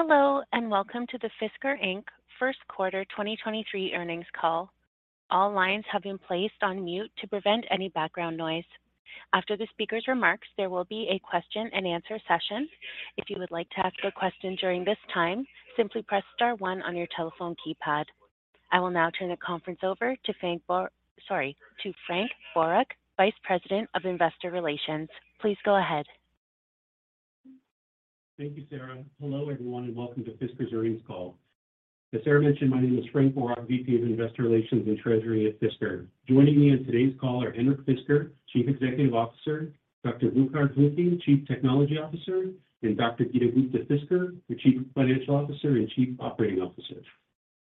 Hello, welcome to the Fisker Inc. First Quarter 2023 Earnings Call. All lines have been placed on mute to prevent any background noise. After the speaker's remarks, there will be a question-and-answer session. If you would like to ask a question during this time, simply press star one on your telephone keypad. I will now turn the conference over sorry, to Frank Boroch, Vice President of Investor Relations. Please go ahead. Thank you, Sarah. Hello, everyone, welcome to Fisker's earnings call. As Sarah mentioned, my name is Frank Boroch, VP of Investor Relations and Treasury at Fisker. Joining me on today's call are Henrik Fisker, Chief Executive Officer, Dr. Burkhard Huhnke, Chief Technology Officer, and Dr. Geeta Gupta-Fisker, the Chief Financial Officer and Chief Operating Officer.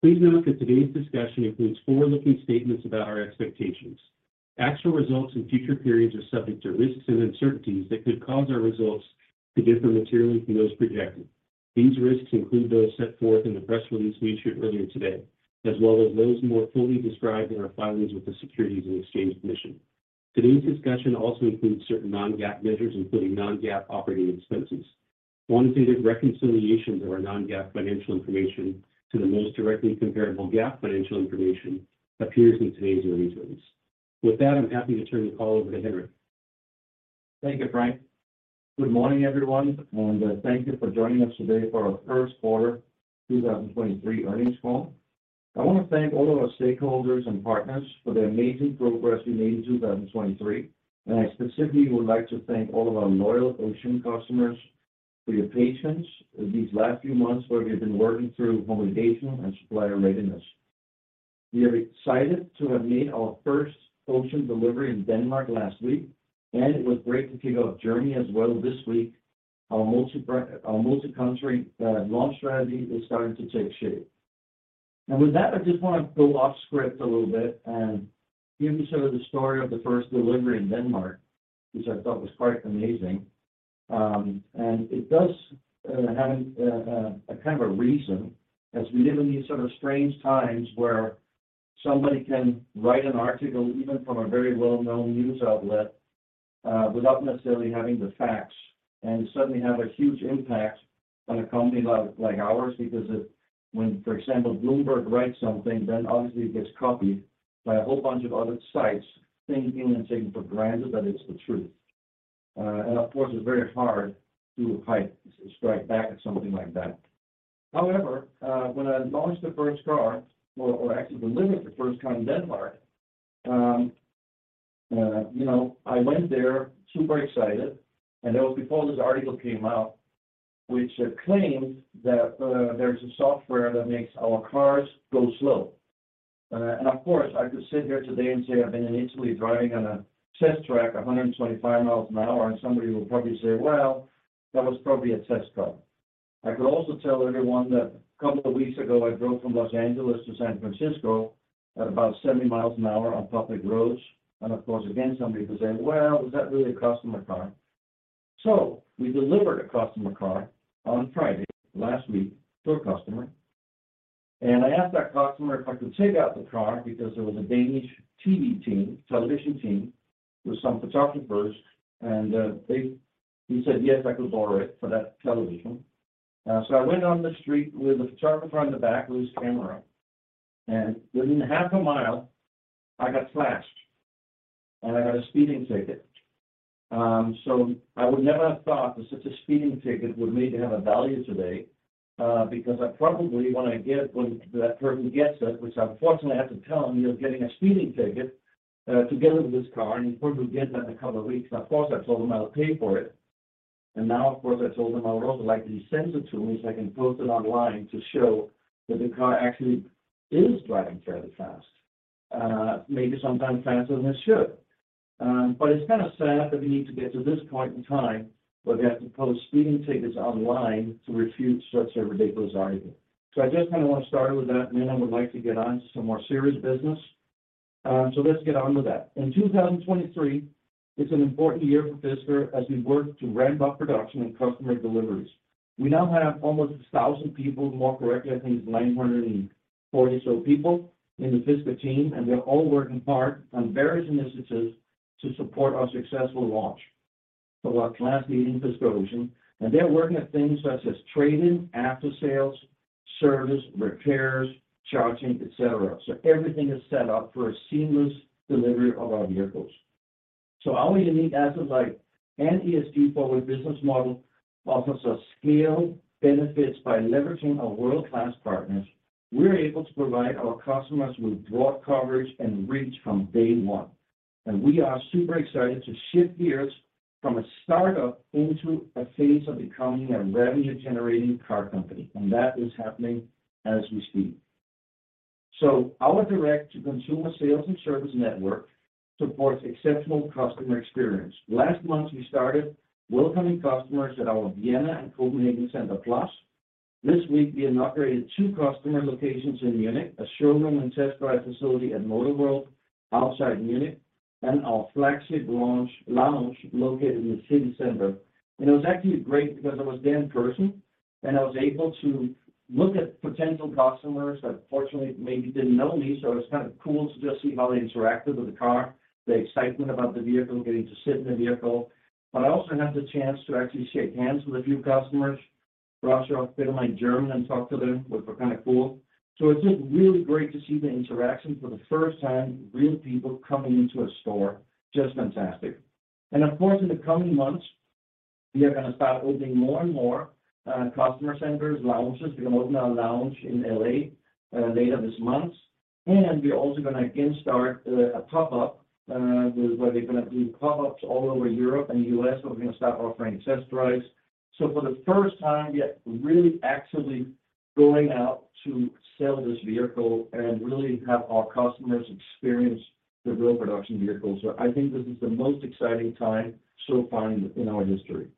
Please note that today's discussion includes forward-looking statements about our expectations. Actual results in future periods are subject to risks and uncertainties that could cause our results to differ materially from those projected. These risks include those set forth in the press release we issued earlier today, as well as those more fully described in our filings with the Securities and Exchange Commission. Today's discussion also includes certain non-GAAP measures, including non-GAAP operating expenses. Quantitative reconciliations of our non-GAAP financial information to the most directly comparable GAAP financial information appears in today's earnings release. With that, I'm happy to turn the call over to Henrik. Thank you, Frank. Good morning, everyone, and thank you for joining us today for our first quarter 2023 earnings call. I wanna thank all of our stakeholders and partners for their amazing progress we made in 2023. I specifically would like to thank all of our loyal Ocean customers for your patience these last few months where we've been working through homologation and supplier readiness. We are excited to have made our first Ocean delivery in Denmark last week, and it was great to kick off journey as well this week. Our multi-country launch strategy is starting to take shape. With that, I just wanna go off script a little bit and give you sort of the story of the first delivery in Denmark, which I thought was quite amazing. It does have a kind of a reason, as we live in these sort of strange times where somebody can write an article, even from a very well-known news outlet, without necessarily having the facts and suddenly have a huge impact on a company like ours. When, for example, Bloomberg writes something, obviously it gets copied by a whole bunch of other sites thinking and taking for granted that it's the truth. Of course, it's very hard to fight, strike back at something like that. However, when I launched the first car or actually delivered the first car in Denmark, you know, I went there super excited, that was before this article came out, which claims that there's a software that makes our cars go slow. Of course, I could sit here today and say I've been in Italy driving on a test track 125 miles an hour, and somebody will probably say, "Well, that was probably a test car." I could also tell everyone that couple of weeks ago, I drove from Los Angeles to San Francisco at about 70 miles an hour on public roads. Of course, again, somebody could say, "Well, was that really a customer car?" We delivered a customer car on Friday last week to a customer. I asked that customer if I could take out the car because there was a Danish TV team, television team with some photographers, and he said, yes, I could borrow it for that television. I went on the street with a photographer in the back with his camera. Within half a mile, I got flashed, and I got a speeding ticket. I would never have thought that such a speeding ticket would maybe have a value today, because I probably when that person gets it, which unfortunately I have to tell him, "You're getting a speeding ticket, together with this car," and he probably gets that in a couple of weeks. Of course, I told him I'll pay for it. Now, of course, I told him I would also like that he sends it to me, so I can post it online to show that the car actually is driving fairly fast, maybe sometimes faster than it should. It's kind of sad that we need to get to this point in time where we have to post speeding tickets online to refute such a ridiculous argument. I just kinda wanna start with that, and then I would like to get on to some more serious business. Let's get on with that. In 2023, it's an important year for Fisker as we work to ramp up production and customer deliveries. We now have almost 1,000 people. More correctly, I think it's 940-so people in the Fisker team, and they're all working hard on various initiatives to support our successful launch of our class-leading Fisker Ocean. They're working at things such as trade-in, after-sales, service, repairs, charging, et cetera. Everything is set up for a seamless delivery of our vehicles. Our unique asset-light and ESG-forward business model offers us scale benefits by leveraging our world-class partners. We're able to provide our customers with broad coverage and reach from day one. We are super excited to shift gears from a startup into a phase of becoming a revenue-generating car company. That is happening as we speak. Our direct-to-consumer sales and service network supports exceptional customer experience. Last month, we started welcoming customers at our Vienna and Copenhagen Center+. This week, we inaugurated two customer locations in Munich, a showroom and test drive facility at Motorworld outside Munich, and our flagship launch lounge located in the city center. It was actually great because I was there in person, and I was able to look at potential customers that fortunately maybe didn't know me, so it was kind of cool to just see how they interacted with the car, the excitement about the vehicle, getting to sit in the vehicle. I also had the chance to actually shake hands with a few customers, brushoff, bit of my German and talk to them, which were kind of cool. It's just really great to see the interaction for the first time, real people coming into a store, just fantastic. Of course, in the coming months, we are gonna start opening more and more customer centers, lounges. We're gonna open our lounge in L.A. later this month. We're also gonna again start a pop-up where they're gonna do pop-ups all over Europe and U.S., where we're gonna start offering test drives. For the first time, we are really actively going out to sell this vehicle and really have our customers experience the real production vehicle. I think this is the most exciting time so far in our history.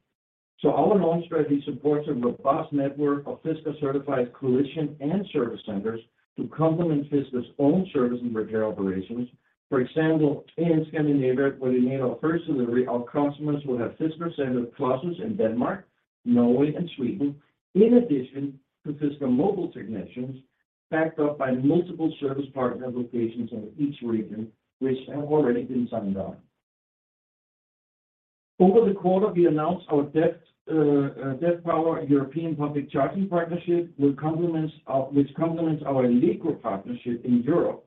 Our launch strategy supports a robust network of Fisker-certified coalition and service centers to complement Fisker's own service and repair operations. For example, in Scandinavia, where we made our first delivery, our customers will have Fisker Center+s in Denmark, Norway, and Sweden, in addition to Fisker mobile technicians backed up by multiple service partner locations in each region, which have already been signed on. Over the quarter, we announced our Deftpower European public charging partnership, which complements our legal partnership in Europe.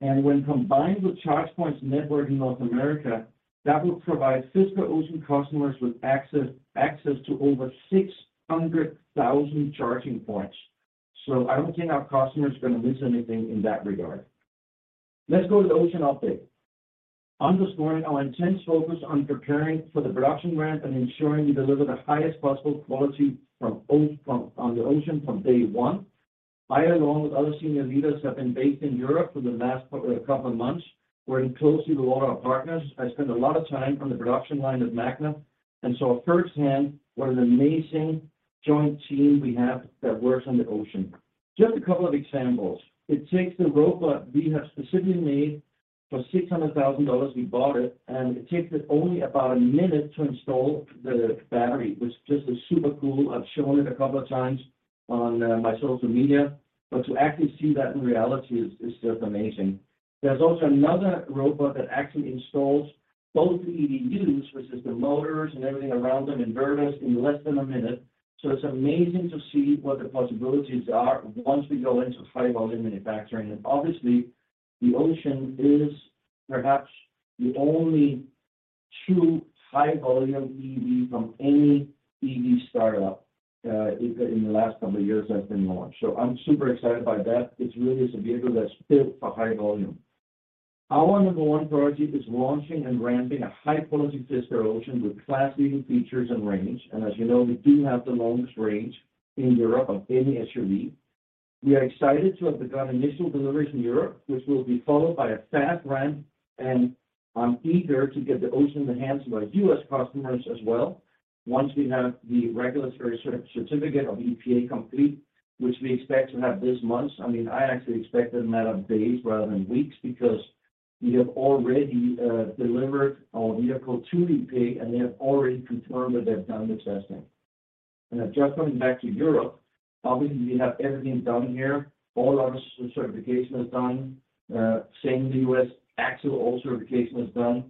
When combined with ChargePoint's network in North America, that will provide Fisker Ocean customers with access to over 600,000 charging points. I don't think our customers are gonna miss anything in that regard. Let's go to the Ocean update. Underscoring our intense focus on preparing for the production ramp and ensuring we deliver the highest possible quality on the Ocean from day one. I, along with other senior leaders, have been based in Europe for the last couple of months, working closely with all our partners. I spent a lot of time on the production line with Magna, and saw firsthand what an amazing joint team we have that works on the Ocean. Just a couple of examples. It takes a robot we have specifically made. For $600,000, we bought it, and it takes it only about a minute to install the battery, which just is super cool. I've shown it a couple of times on my social media, but to actually see that in reality is just amazing. There's also another robot that actually installs both EDUs, which is the motors and everything around them, inverters, in less than a minute. It's amazing to see what the possibilities are once we go into high volume manufacturing. Obviously, the Ocean is perhaps the only true high volume EV from any EV startup in the last couple of years that's been launched. I'm super excited by that. It really is a vehicle that's built for high volume. Our number one priority is launching and ramping a high-quality Fisker Ocean with class-leading features and range. As you know, we do have the longest range in Europe of any SUV. We are excited to have begun initial deliveries in Europe, which will be followed by a fast ramp, and I'm eager to get the Ocean in the hands of our U.S. customers as well once we have the regulatory certificate of EPA complete, which we expect to have this month. I mean, I actually expect it in a matter of days rather than weeks because we have already delivered our vehicle to the EPA, and they have already confirmed that they've done the testing. Just coming back to Europe, obviously, we have everything done here. All our certification is done. Same in the U.S. Actually, all certification is done.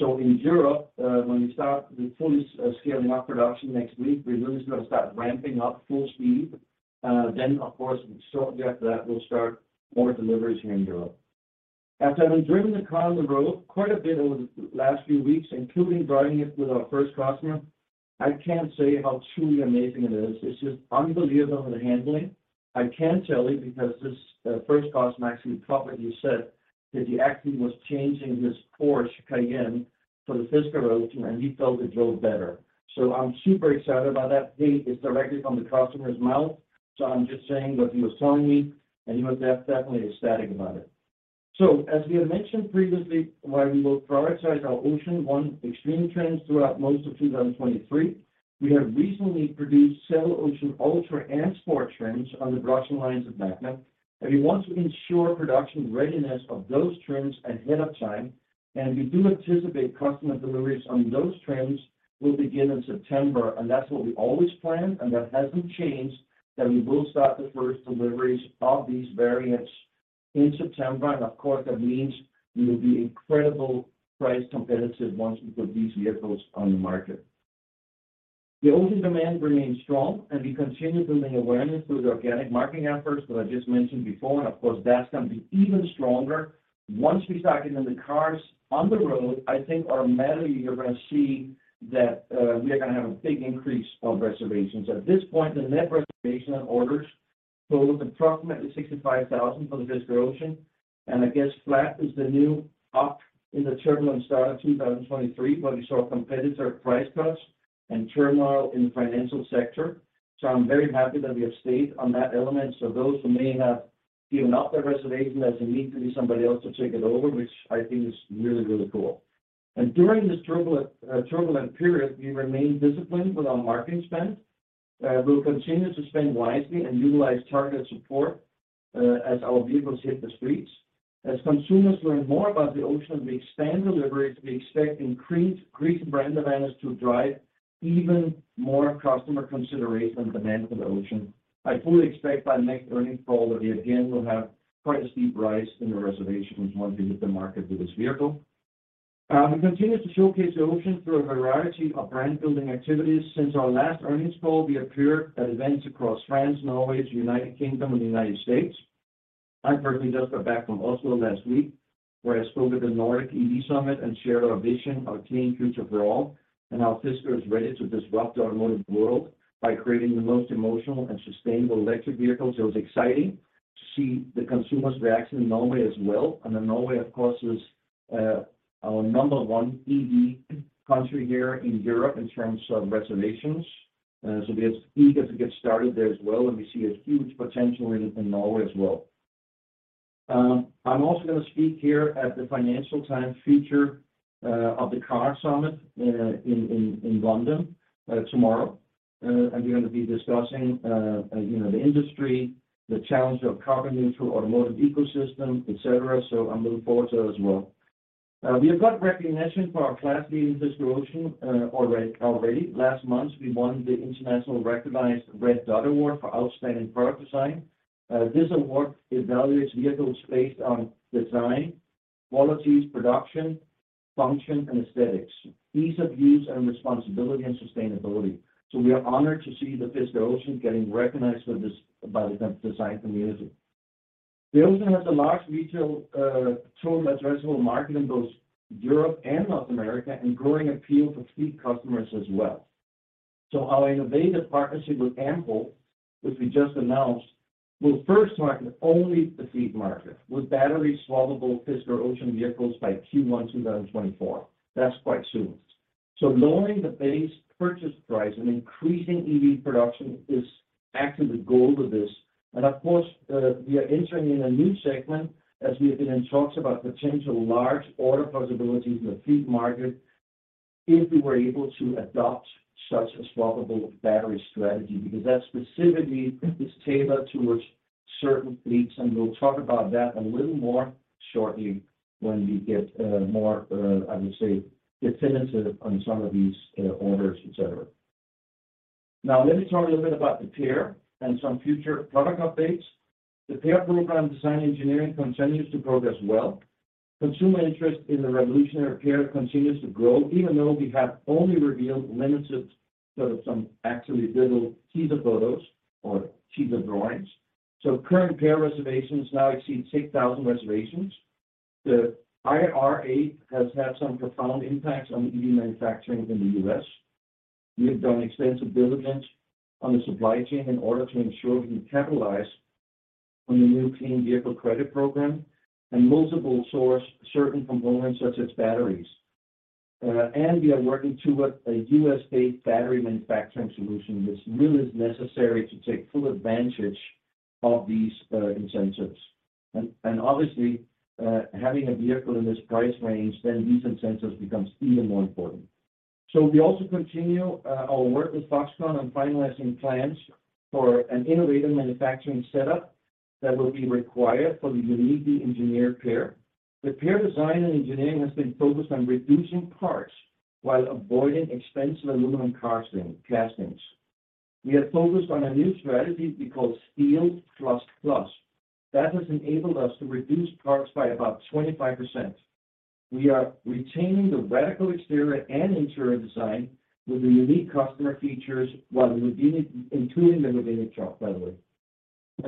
In Europe, when we start the fully scaling up production next week, we're really just gonna start ramping up full speed. Of course, shortly after that, we'll start more deliveries here in Europe. After I've been driving the car on the road quite a bit over the last few weeks, including driving it with our first customer, I can't say how truly amazing it is. It's just unbelievable the handling. I can tell you because this first customer actually properly said that he actually was changing his Porsche Cayenne for the Fisker Ocean, and he felt it drove better. I'm super excited by that. He is directly from the customer's mouth, I'm just saying what he was telling me, and he was definitely ecstatic about it. As we have mentioned previously, while we will prioritize our Ocean One Extreme trims throughout most of 2023, we have recently produced several Ocean Ultra and Sport trims on the production lines of Magna. We want to ensure production readiness of those trims ahead of time. We do anticipate customer deliveries on those trims will begin in September, and that's what we always planned, and that hasn't changed, that we will start the first deliveries of these variants in September. Of course, that means we will be incredibly price competitive once we put these vehicles on the market. The Ocean demand remains strong, and we continue building awareness through the organic marketing efforts that I just mentioned before. Of course, that's gonna be even stronger. Once we start getting the cars on the road, I think automatically you're gonna see that we are gonna have a big increase of reservations. At this point, the net reservation on orders totals approximately 65,000 for the Fisker Ocean. I guess flat is the new up in the turbulent start of 2023, where we saw competitor price cuts and turmoil in the financial sector. I'm very happy that we have stayed on that element. Those who may have given up their reservation, there's a need for somebody else to take it over, which I think is really, really cool. During this turbulent period, we remain disciplined with our marketing spend. We'll continue to spend wisely and utilize targeted support as our vehicles hit the streets. As consumers learn more about the Ocean and we expand deliveries, we expect increased great brand awareness to drive even more customer consideration and demand for the Ocean. I fully expect by next earnings call that we again will have quite a steep rise in the reservations once we hit the market with this vehicle. We continue to showcase the Ocean through a variety of brand-building activities. Since our last earnings call, we appeared at events across France, Norway, United Kingdom, and the United States. I personally just got back from Oslo last week, where I spoke at the Nordic EV Summit and shared our vision, our clean future for all, and how Fisker is ready to disrupt the automotive world by creating the most emotional and sustainable electric vehicles. It was exciting to see the consumers' reaction in Norway as well. Norway, of course, is our number one EV country here in Europe in terms of reservations. We are eager to get started there as well, and we see a huge potential in Norway as well. I'm also gonna speak here at the Financial Times Future of the Car Summit in London tomorrow. We're gonna be discussing, you know, the industry, the challenge of carbon-neutral automotive ecosystem, et cetera. I'm looking forward to that as well. We have got recognition for our class-leading Fisker Ocean already. Last month, we won the international-recognized Red Dot Award for outstanding product design. This award evaluates vehicles based on design, qualities, production, function, and aesthetics, ease of use, and responsibility, and sustainability. We are honored to see the Fisker Ocean getting recognized for this by the design community. The Ocean has a large retail, total addressable market in both Europe and North America, and growing appeal for fleet customers as well. Our innovative partnership with Ample, which we just announced, will first market only the fleet market with battery-swappable Fisker Ocean vehicles by Q1 2024. That's quite soon. Lowering the base purchase price and increasing EV production is actually the goal of this. Of course, we are entering in a new segment as we have been in talks about potential large order possibilities in the fleet market if we were able to adopt such a swappable battery strategy. That specifically puts us tailored towards certain fleets, and we'll talk about that a little more shortly when we get more, I would say, definitive on some of these orders, et cetera. Now let me talk a little bit about the PEAR and some future product updates. The PEAR program design engineering continues to progress well. Consumer interest in the revolutionary PEAR continues to grow even though we have only revealed limited, sort of some actually little teaser photos or teaser drawings. Current PEAR reservations now exceed 6,000 reservations. The IRA has had some profound impacts on EV manufacturing in the U.S. We have done extensive diligence on the supply chain in order to ensure we capitalize on the new clean vehicle credit program and multiple source certain components such as batteries. We are working towards a U.S.-based battery manufacturing solution, which really is necessary to take full advantage of these incentives. Obviously, having a vehicle in this price range, then these incentives becomes even more important. We also continue our work with Foxconn on finalizing plans for an innovative manufacturing setup that will be required for the uniquely engineered PEAR. The PEAR design and engineering has been focused on reducing parts while avoiding expensive aluminum castings. We are focused on a new strategy we call Steel++. That has enabled us to reduce parts by about 25%. We are retaining the radical exterior and interior design with the unique customer features including the innovative truck, by the way.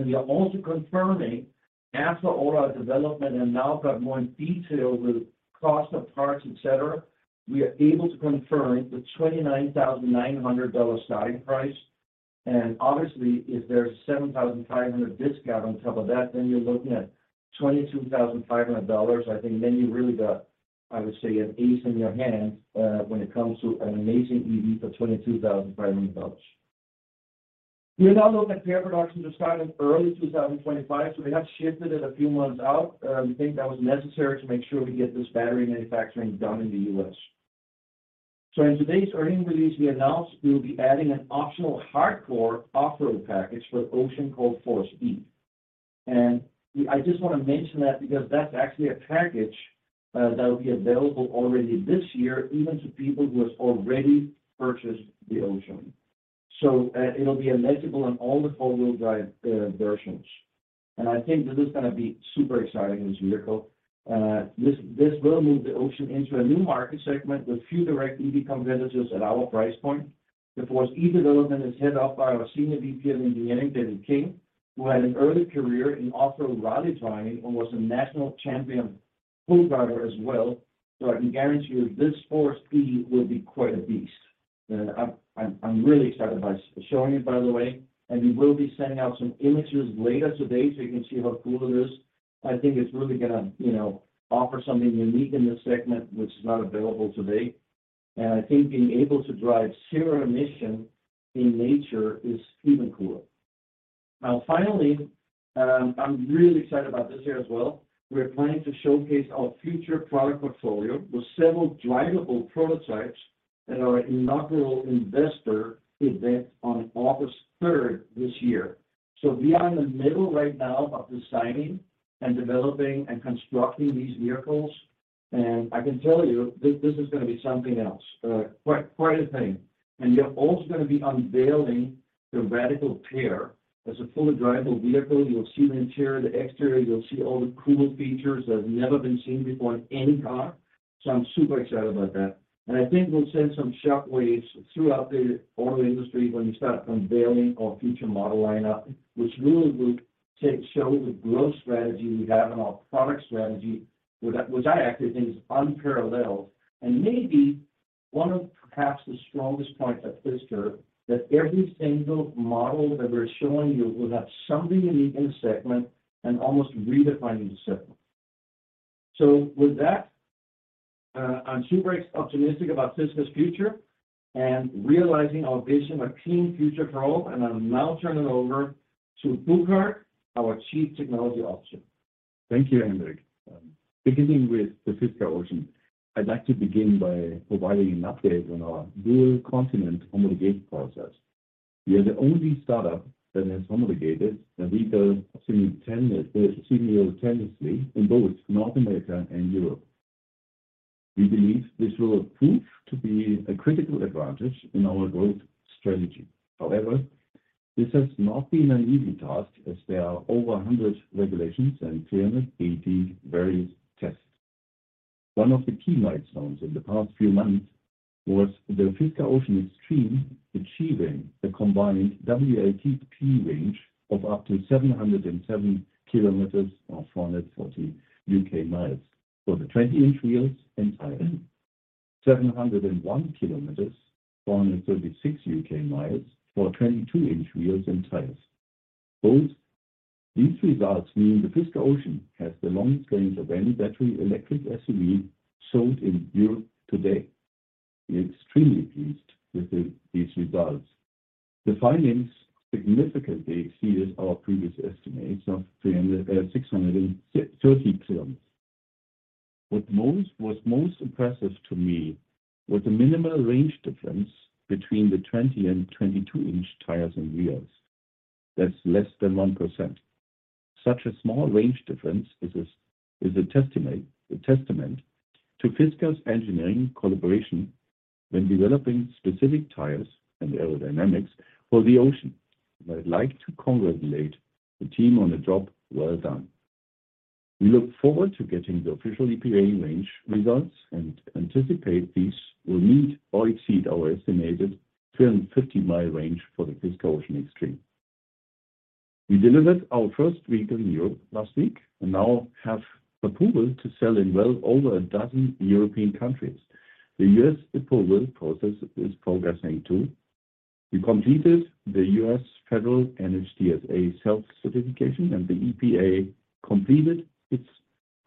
We are also confirming after all our development and now got more in detail with cost of parts, et cetera, we are able to confirm the $29,900 starting price. Obviously, if there's $7,500 discount on top of that, then you're looking at $22,500. I think then you really got, I would say, an ace in your hand, when it comes to an amazing EV for $22,500. We are now looking at PEAR production to start in early 2025, we have shifted it a few months out. We think that was necessary to make sure we get this battery manufacturing done in the U.S. In today's earning release, we announced we'll be adding an optional hardcore off-road package for Ocean called Force E. I just wanna mention that because that's actually a package that will be available already this year, even to people who have already purchased the Ocean. It'll be eligible on all the four-wheel drive versions. I think this is gonna be super exciting, this vehicle. This will move the Ocean into a new market segment with few direct EV competitors at our price point. The Force E development is head up by our senior VP of engineering, David King, who had an early career in off-road rally driving and was a national champion co-driver as well. I can guarantee you this Force E will be quite a beast. I'm really excited about showing it, by the way, and we will be sending out some images later today, so you can see how cool it is. I think it's really gonna, you know, offer something unique in this segment, which is not available today. I think being able to drive zero emission in nature is even cooler. Finally, I'm really excited about this here as well. We're planning to showcase our future product portfolio with several drivable prototypes at our inaugural investor event on August 3rd this year. We are in the middle right now of designing and developing and constructing these vehicles. I can tell you this is gonna be something else, quite a thing. We are also gonna be unveiling the radical PEAR. As a fully drivable vehicle, you'll see the interior, the exterior, you'll see all the cool features that have never been seen before in any car. I'm super excited about that. I think we'll send some shock waves throughout the auto industry when we start unveiling our future model lineup, which really will show the growth strategy we have in our product strategy, which I actually think is unparalleled and maybe one of perhaps the strongest points at Fisker, that every single model that we're showing you will have something unique in the segment and almost redefining the segment. With that, I'm super optimistic about Fisker's future and realizing our vision of a clean future for all. I'll now turn it over to Burkhard, our Chief Technology Officer. Thank you, Henrik. Beginning with the Fisker Ocean, I'd like to begin by providing an update on our dual continent homologation process. We are the only startup that has homologated the vehicle simultaneously in both North America and Europe. We believe this will prove to be a critical advantage in our growth strategy. This has not been an easy task as there are over 100 regulations and 380 various tests. One of the key milestones in the past few months was the Fisker Ocean Extreme achieving a combined WLTP range of up to 707 km or 440 U.K. miles for the 20-inch wheels and tires. 701 km, 436 U.K. miles, for 22-inch wheels and tires. Both these results mean the Fisker Ocean has the longest range of any battery electric SUV sold in Europe today. We are extremely pleased with these results. The findings significantly exceeded our previous estimates of 630 kilometers. What was most impressive to me was the minimal range difference between the 20 and 22 inch tires and wheels. That's less than 1%. Such a small range difference is a testament to Fisker's engineering collaboration when developing specific tires and aerodynamics for the Ocean. I'd like to congratulate the team on a job well done. We look forward to getting the official EPA range results and anticipate these will meet or exceed our estimated 350 mile range for the Fisker Ocean Extreme. We delivered our first week in Europe last week and now have approval to sell in well over 12 European countries. The U.S. approval process is progressing too. We completed the U.S. Federal NHTSA self-certification, and the EPA completed its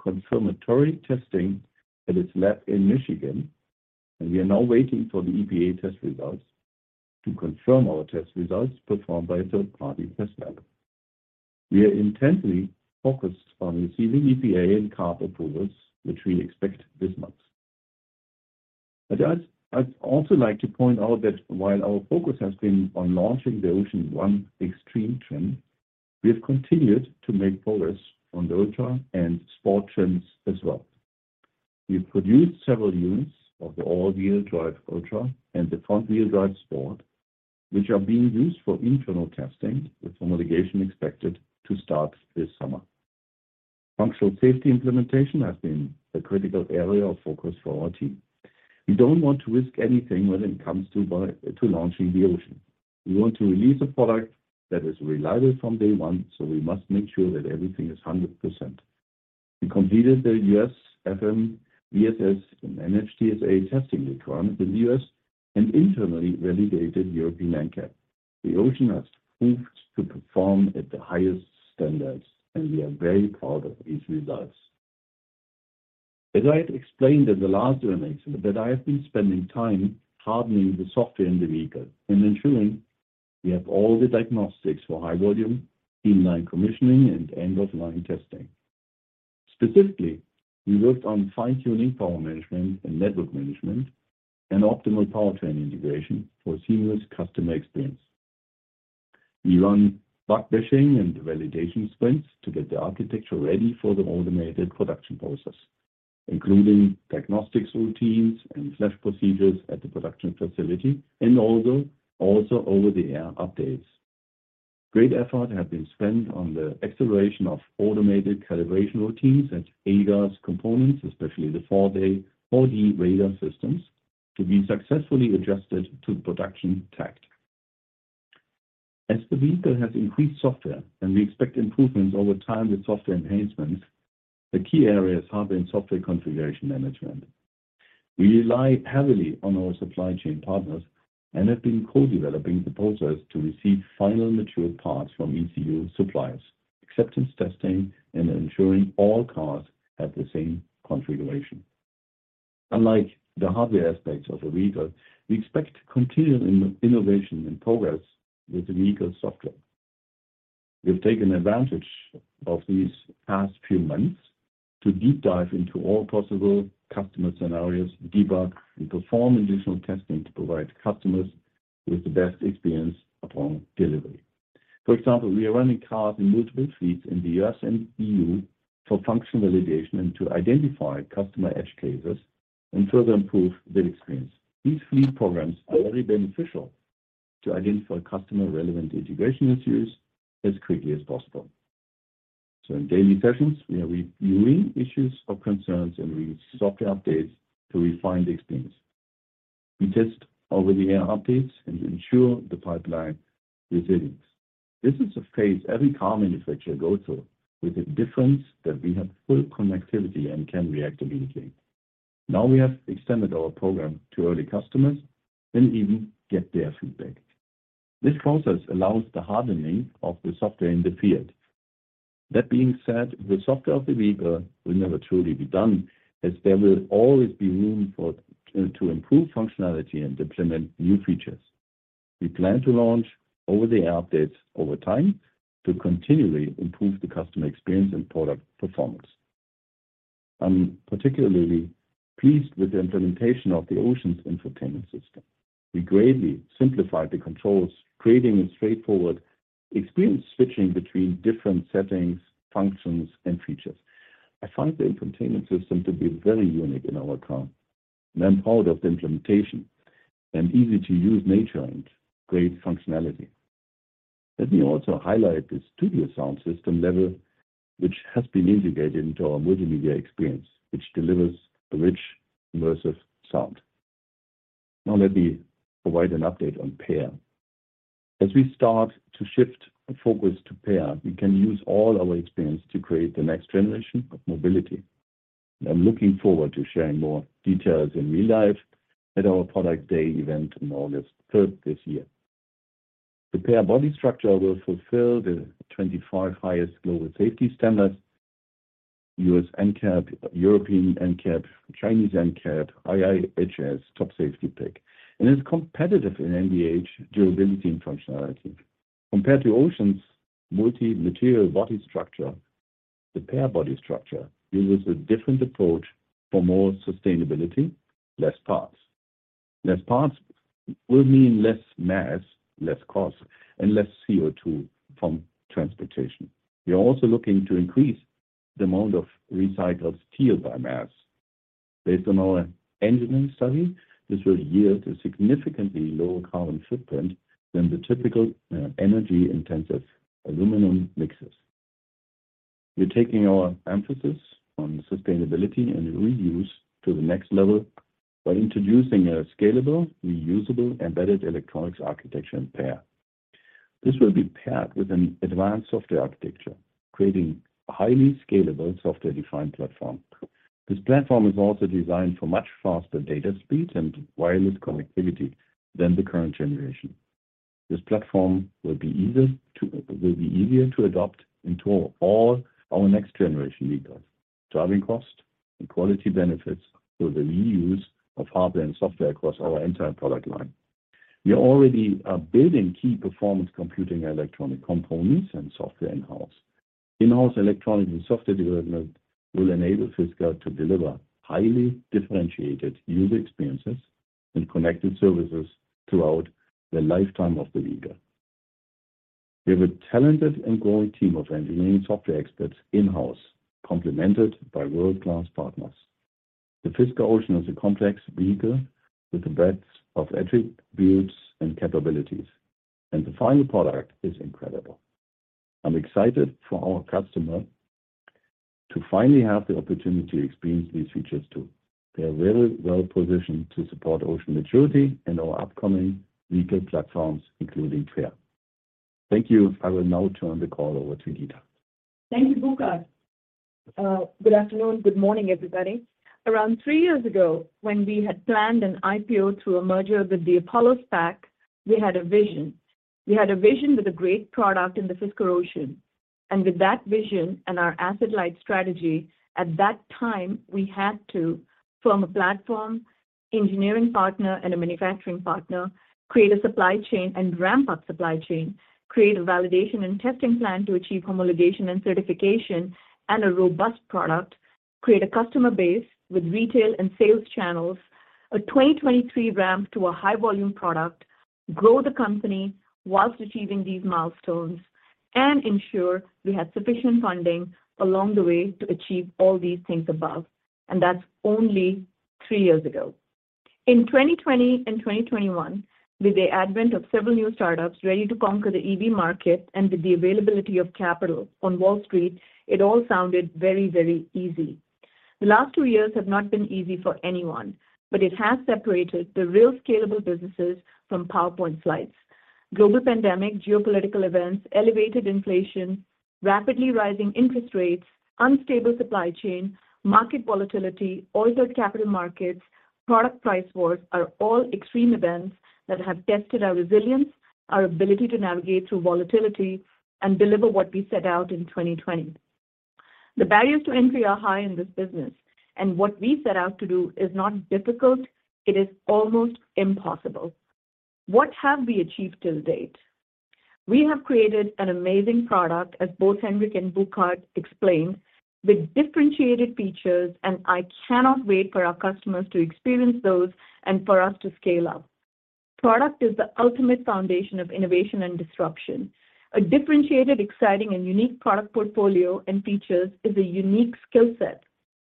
confirmatory testing at its lab in Michigan, and we are now waiting for the EPA test results to confirm our test results performed by a third-party test lab. We are intensely focused on receiving EPA and CARB approvals, which we expect this month. I'd also like to point out that while our focus has been on launching the Ocean One Extreme trim, we have continued to make progress on the Ultra and Sport trims as well. We've produced several units of the all-wheel drive Ultra and the front-wheel drive Sport, which are being used for internal testing, with homologation expected to start this summer. Functional safety implementation has been a critical area of focus for our team. We don't want to risk anything when it comes to to launching the Ocean. We want to release a product that is reliable from day one, so we must make sure that everything is 100%. We completed the U.S. FMVSS and NHTSA testing requirements in the U.S. and internally relegated European NCAP. The Ocean has proved to perform at the highest standards, and we are very proud of these results. As I had explained in the last earnings, that I have been spending time hardening the software in the vehicle and ensuring we have all the diagnostics for high volume, inline commissioning, and end-of-line testing. Specifically, we worked on fine-tuning power management and network management and optimal powertrain integration for seamless customer experience. We run bug bashing and validation sprints to get the architecture ready for the automated production process, including diagnostics routines and flash procedures at the production facility, and also over-the-air updates. Great effort have been spent on the acceleration of automated calibration routines and ADAS components, especially the 4D radar systems, to be successfully adjusted to the production tact. As the vehicle has increased software and we expect improvements over time with software enhancements, the key areas have been software configuration management. We rely heavily on our supply chain partners and have been co-developing the process to receive final mature parts from ECU suppliers, acceptance testing, and ensuring all cars have the same configuration. Unlike the hardware aspects of a vehicle, we expect continual innovation and progress with the vehicle software. We've taken advantage of these past few months to deep dive into all possible customer scenarios, debug and perform additional testing to provide customers with the best experience upon delivery. For example, we are running cars in multiple fleets in the U.S. and EU for function validation and to identify customer edge cases and further improve the experience. These fleet programs are very beneficial to identify customer relevant integration issues as quickly as possible. In daily sessions, we are reviewing issues or concerns and we software updates to refine the experience. We test over-the-air updates and ensure the pipeline resilience. This is a phase every car manufacturer goes through with the difference that we have full connectivity and can react immediately. We have extended our program to early customers and even get their feedback. This process allows the hardening of the software in the field. That being said, the software of the vehicle will never truly be done as there will always be room for to improve functionality and implement new features. We plan to launch over-the-air updates over time to continually improve the customer experience and product performance. I'm particularly pleased with the implementation of the Ocean's infotainment system. We greatly simplified the controls, creating a straightforward experience switching between different settings, functions and features. I find the infotainment system to be very unique in our car, and I'm proud of the implementation and easy-to-use nature and great functionality. Let me also highlight the studio sound system level, which has been integrated into our multimedia experience, which delivers a rich, immersive sound. Let me provide an update on PEAR. As we start to shift our focus to PEAR, we can use all our experience to create the next generation of mobility. I'm looking forward to sharing more details in real life at our product day event on August 3rd this year. The PEAR body structure will fulfill the 25 highest global safety standards, U.S. NCAP, Euro NCAP, C-NCAP, IIHS Top Safety Pick, and is competitive in NVH durability and functionality. Compared to Ocean's multi-material body structure, the PEAR body structure uses a different approach for more sustainability, less parts. Less parts will mean less mass, less cost and less CO2 from transportation. We are also looking to increase the amount of recycled steel by mass. Based on our engineering study, this will yield a significantly lower carbon footprint than the typical energy-intensive aluminum mixes. We're taking our emphasis on sustainability and reuse to the next level by introducing a scalable, reusable embedded electronics architecture in PEAR. This will be paired with an advanced software architecture, creating a highly scalable software-defined platform. This platform is also designed for much faster data speeds and wireless connectivity than the current generation. This platform will be easier to adopt into all our next generation vehicles. Driving cost and quality benefits through the reuse of hardware and software across our entire product line. We already are building key performance computing electronic components and software in-house. In-house electronic and software development will enable Fisker to deliver highly differentiated user experiences and connected services throughout the lifetime of the vehicle. We have a talented and growing team of engineering software experts in-house, complemented by world-class partners. The Fisker Ocean is a complex vehicle with the best of electric builds and capabilities, and the final product is incredible. I'm excited for our customer to finally have the opportunity to experience these features too. They are very well-positioned to support Ocean maturity and our upcoming vehicle platforms, including PEAR. Thank you. I will now turn the call over to Geeta. Thank you, Burkhard. Good afternoon, good morning, everybody. Around three years ago, when we had planned an IPO through a merger with the Apollo SPAC, we had a vision. We had a vision with a great product in the Fisker Ocean. With that vision and our asset-light strategy, at that time, we had to form a platform, engineering partner and a manufacturing partner, create a supply chain and ramp-up supply chain, create a validation and testing plan to achieve homologation and certification and a robust product, create a customer base with retail and sales channels, a 2023 ramp to a high-volume product, grow the company whilst achieving these milestones and ensure we have sufficient funding along the way to achieve all these things above. That's only three years ago. In 2020 and 2021, with the advent of several new startups ready to conquer the EV market and with the availability of capital on Wall Street, it all sounded very, very easy. The last two years have not been easy for anyone, but it has separated the real scalable businesses from PowerPoint slides. Global pandemic, geopolitical events, elevated inflation, rapidly rising interest rates, unstable supply chain, market volatility, altered capital markets, product price wars are all extreme events that have tested our resilience, our ability to navigate through volatility and deliver what we set out in 2020. The barriers to entry are high in this business, and what we set out to do is not difficult, it is almost impossible. What have we achieved to date? We have created an amazing product, as both Henrik and Burkhard explained, with differentiated features and I cannot wait for our customers to experience those and for us to scale up. Product is the ultimate foundation of innovation and disruption. A differentiated, exciting, and unique product portfolio and features is a unique skill set,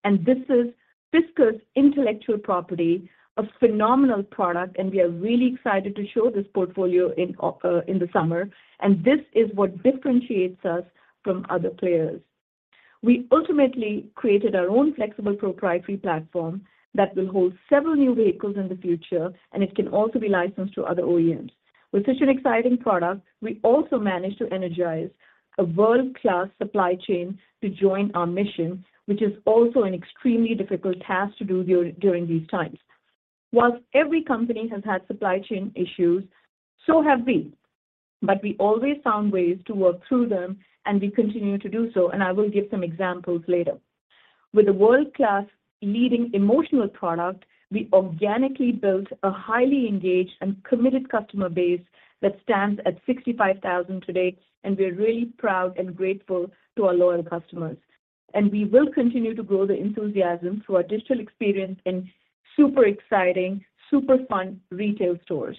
and this is Fisker's intellectual property, a phenomenal product, and we are really excited to show this portfolio in the summer, and this is what differentiates us from other players. We ultimately created our own flexible proprietary platform that will hold several new vehicles in the future, and it can also be licensed to other OEMs. With such an exciting product, we also managed to energize a world-class supply chain to join our mission, which is also an extremely difficult task to do during these times. Every company has had supply chain issues, so have we. We always found ways to work through them. We continue to do so. I will give some examples later. With a world-class leading emotional product, we organically built a highly engaged and committed customer base that stands at 65,000 today. We're really proud and grateful to our loyal customers. We will continue to grow the enthusiasm through our digital experience in super exciting, super fun retail stores.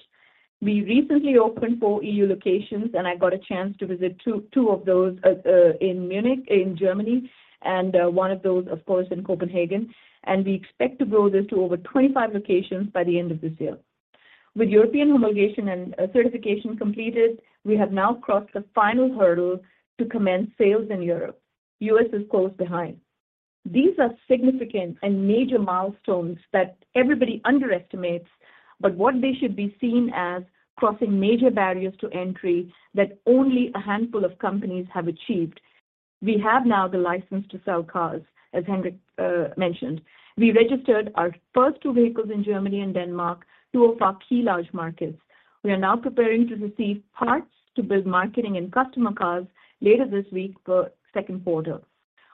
We recently opened four E.U. locations. I got a chance to visit two of those in Munich, in Germany, and one of those, of course, in Copenhagen. We expect to grow this to over 25 locations by the end of this year. With European homologation and certification completed, we have now crossed the final hurdle to commence sales in Europe. U.S. is close behind. These are significant and major milestones that everybody underestimates, but what they should be seen as crossing major barriers to entry that only a handful of companies have achieved. We have now the license to sell cars, as Henrik mentioned. We registered our first two vehicles in Germany and Denmark, two of our key large markets. We are now preparing to receive parts to build marketing and customer cars later this week for second quarter.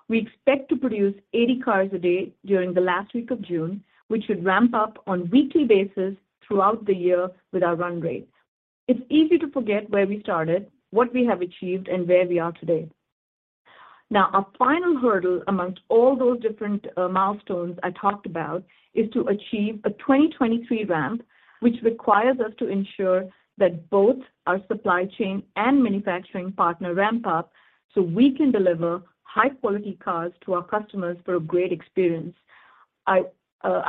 We expect to produce 80 cars a day during the last week of June, which should ramp up on weekly basis throughout the year with our run rates. It's easy to forget where we started, what we have achieved, and where we are today. Now, our final hurdle amongst all those different milestones I talked about is to achieve a 2023 ramp, which requires us to ensure that both our supply chain and manufacturing partner ramp up, so we can deliver high-quality cars to our customers for a great experience. I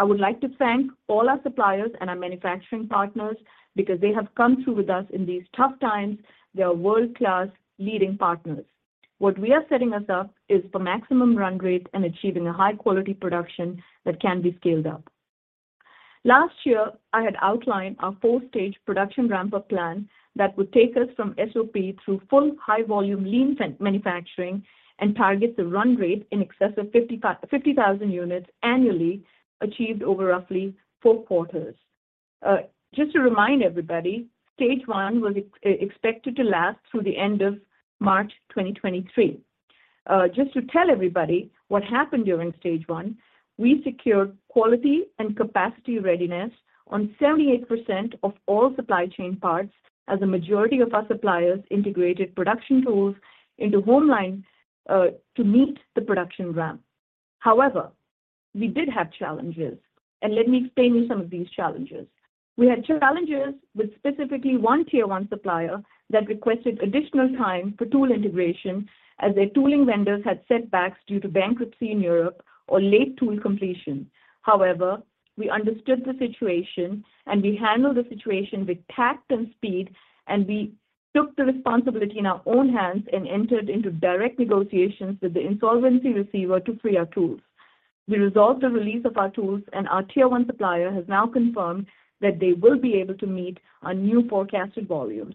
would like to thank all our suppliers and our manufacturing partners because they have come through with us in these tough times. They are world-class leading partners. What we are setting us up is for maximum run rates and achieving a high-quality production that can be scaled up. Last year, I had outlined our four-stage production ramp-up plan that would take us from SOP through full high-volume lean manufacturing and target a run rate in excess of 50,000 units annually achieved over roughly four quarters. Just to remind everybody, stage one was expected to last through the end of March 2023. Just to tell everybody what happened during stage one, we secured quality and capacity readiness on 78% of all supply chain parts as a majority of our suppliers integrated production tools into home line to meet the production ramp. We did have challenges, and let me explain you some of these challenges. We had challenges with specifically one tier 1 supplier that requested additional time for tool integration as their tooling vendors had setbacks due to bankruptcy in Europe or late tool completion. We understood the situation, and we handled the situation with tact and speed, and we took the responsibility in our own hands and entered into direct negotiations with the insolvency receiver to free our tools. We resolved the release of our tools. Our Tier 1 supplier has now confirmed that they will be able to meet our new forecasted volumes.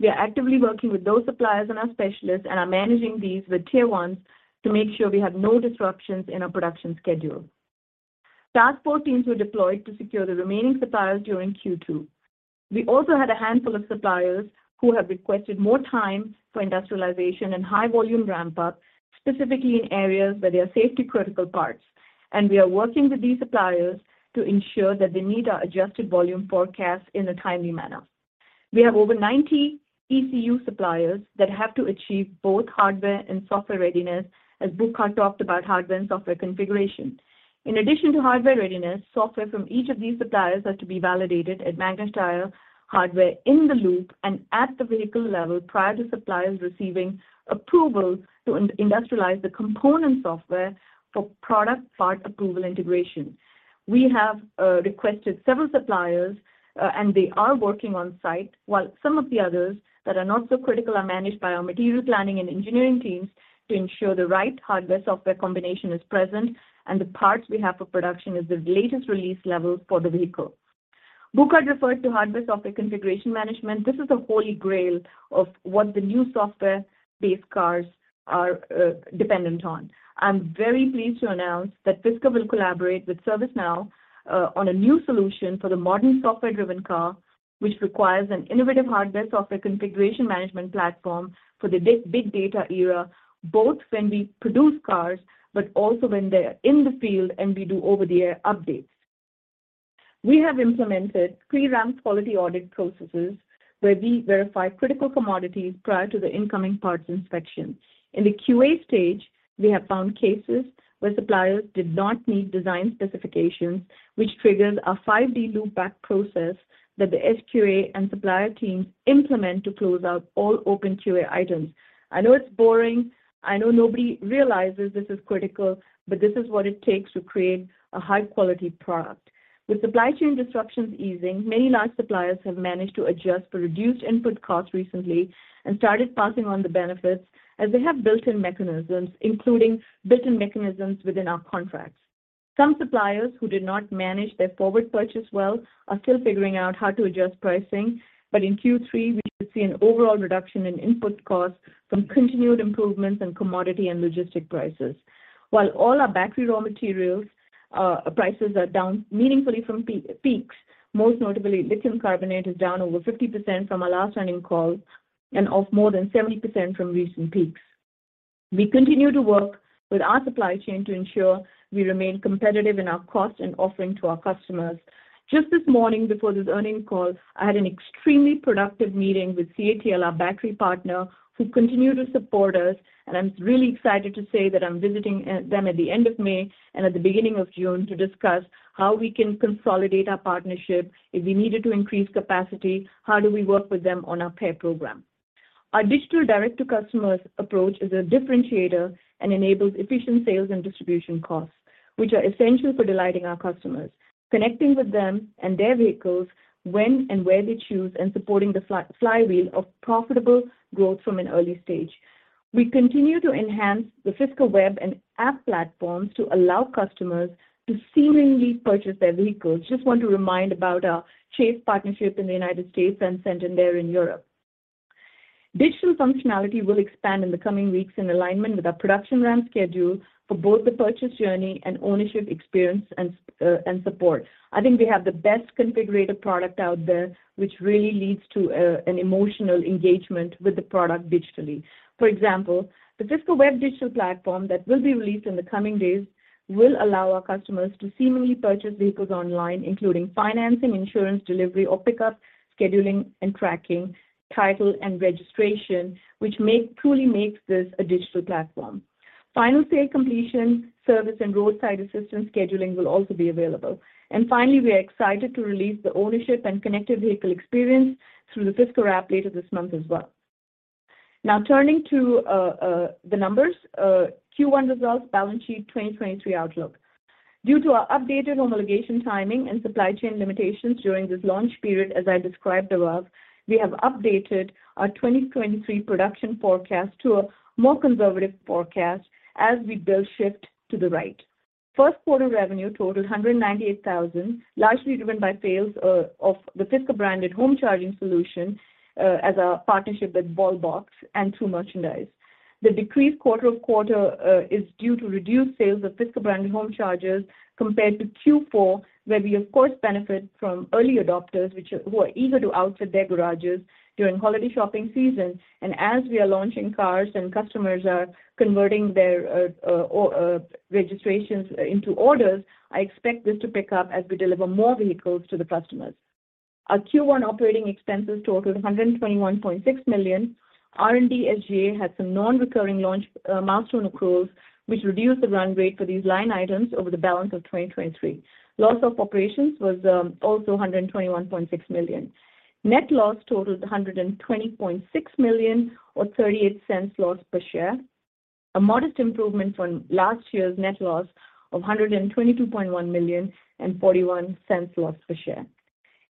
We are actively working with those suppliers and our specialists and are managing these with Tier 1s to make sure we have no disruptions in our production schedule. Task force teams were deployed to secure the remaining suppliers during Q2. We also had a handful of suppliers who have requested more time for industrialization and high volume ramp-up, specifically in areas where there are safety-critical parts. We are working with these suppliers to ensure that they meet our adjusted volume forecast in a timely manner. We have over 90 ECU suppliers that have to achieve both hardware and software readiness, as Burkhard talked about hardware and software configuration. In addition to hardware readiness, software from each of these suppliers has to be validated at Magna Steyr, hardware-in-the-loop, and at the vehicle level prior to suppliers receiving approval to in-industrialize the component software for product part approval integration. We have requested several suppliers, and they are working on-site, while some of the others that are not so critical are managed by our material planning and engineering teams to ensure the right hardware-software combination is present and the parts we have for production is the latest release level for the vehicle. Burkhard referred to hardware-software configuration management. This is the holy grail of what the new software-based cars are dependent on. I'm very pleased to announce that Fisker will collaborate with ServiceNow on a new solution for the modern software-driven car, which requires an innovative hardware-software configuration management platform for the big data era, both when we produce cars, but also when they're in the field and we do over-the-air updates. We have implemented pre-ramp quality audit processes. Where we verify critical commodities prior to the incoming parts inspection. In the QA stage, we have found cases where suppliers did not meet design specifications, which triggers a five-day loop back process that the SQA and supplier teams implement to close out all open QA items. I know it's boring. I know nobody realizes this is critical. This is what it takes to create a high-quality product. With supply chain disruptions easing, many large suppliers have managed to adjust for reduced input costs recently and started passing on the benefits as they have built-in mechanisms, including built-in mechanisms within our contracts. Some suppliers who did not manage their forward purchase well are still figuring out how to adjust pricing. In Q3, we see an overall reduction in input costs from continued improvements in commodity and logistic prices. While all our battery raw materials prices are down meaningfully from peaks, most notably lithium carbonate is down over 50% from our last earning call and off more than 70% from recent peaks. We continue to work with our supply chain to ensure we remain competitive in our cost and offering to our customers. Just this morning, before this earnings call, I had an extremely productive meeting with CATL, our battery partner, who continue to support us. I'm really excited to say that I'm visiting them at the end of May and at the beginning of June to discuss how we can consolidate our partnership. If we needed to increase capacity, how do we work with them on our pay program? Our digital direct-to-customer approach is a differentiator and enables efficient sales and distribution costs, which are essential for delighting our customers, connecting with them and their vehicles when and where they choose, and supporting the flywheel of profitable growth from an early stage. We continue to enhance the Fisker web and app platforms to allow customers to seemingly purchase their vehicles. Just want to remind about our Chase partnership in the United States and Santander there in Europe. Digital functionality will expand in the coming weeks in alignment with our production ramp schedule for both the purchase journey and ownership experience and support. I think we have the best configurator product out there, which really leads to an emotional engagement with the product digitally. For example, the Fisker web digital platform that will be released in the coming days will allow our customers to seemingly purchase vehicles online, including financing, insurance, delivery or pickup, scheduling and tracking, title and registration, which truly makes this a digital platform. Final sale completion, service and roadside assistance scheduling will also be available. Finally, we are excited to release the ownership and connected vehicle experience through the Fisker app later this month as well. Turning to the numbers. Q1 results, balance sheet 2023 outlook. Due to our updated homologation timing and supply chain limitations during this launch period, as I described above, we have updated our 2023 production forecast to a more conservative forecast as we build shift to the right. First quarter revenue totaled $198,000, largely driven by sales of the Fisker-branded home charging solution, as a partnership with Wallbox and through merchandise. The decreased quarter-over-quarter is due to reduced sales of Fisker-branded home chargers compared to Q4, where we of course benefit from early adopters who are eager to outfit their garages during holiday shopping season. As we are launching cars and customers are converting their registrations into orders, I expect this to pick up as we deliver more vehicles to the customers. Our Q1 operating expenses totaled $121.6 million. R&D, SG&A had some non-recurring launch, milestone accruals, which reduced the run rate for these line items over the balance of 2023. Loss of operations was also $121.6 million. Net loss totaled $120.6 million or 0.38 loss per share, a modest improvement from last year's net loss of $122.1 million and 0.41 loss per share.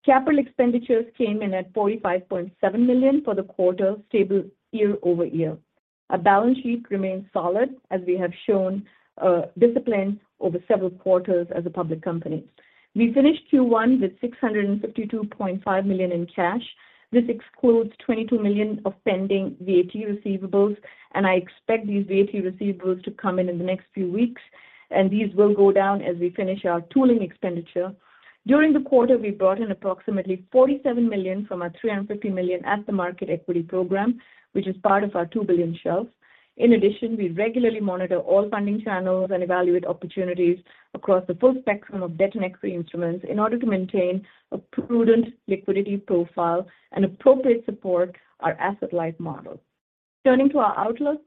Capital expenditures came in at $45.7 million for the quarter, stable year-over-year. Our balance sheet remains solid, as we have shown discipline over several quarters as a public company. We finished Q1 with $652.5 million in cash. This excludes $22 million of pending VAT receivables. I expect these VAT receivables to come in in the next few weeks. These will go down as we finish our tooling expenditure. During the quarter, we brought in approximately $47 million from our $350 million at the market equity program, which is part of our $2 billion shelf. We regularly monitor all funding channels and evaluate opportunities across the full spectrum of debt and equity instruments in order to maintain a prudent liquidity profile and appropriate support our asset-light model. Turning to our outlook.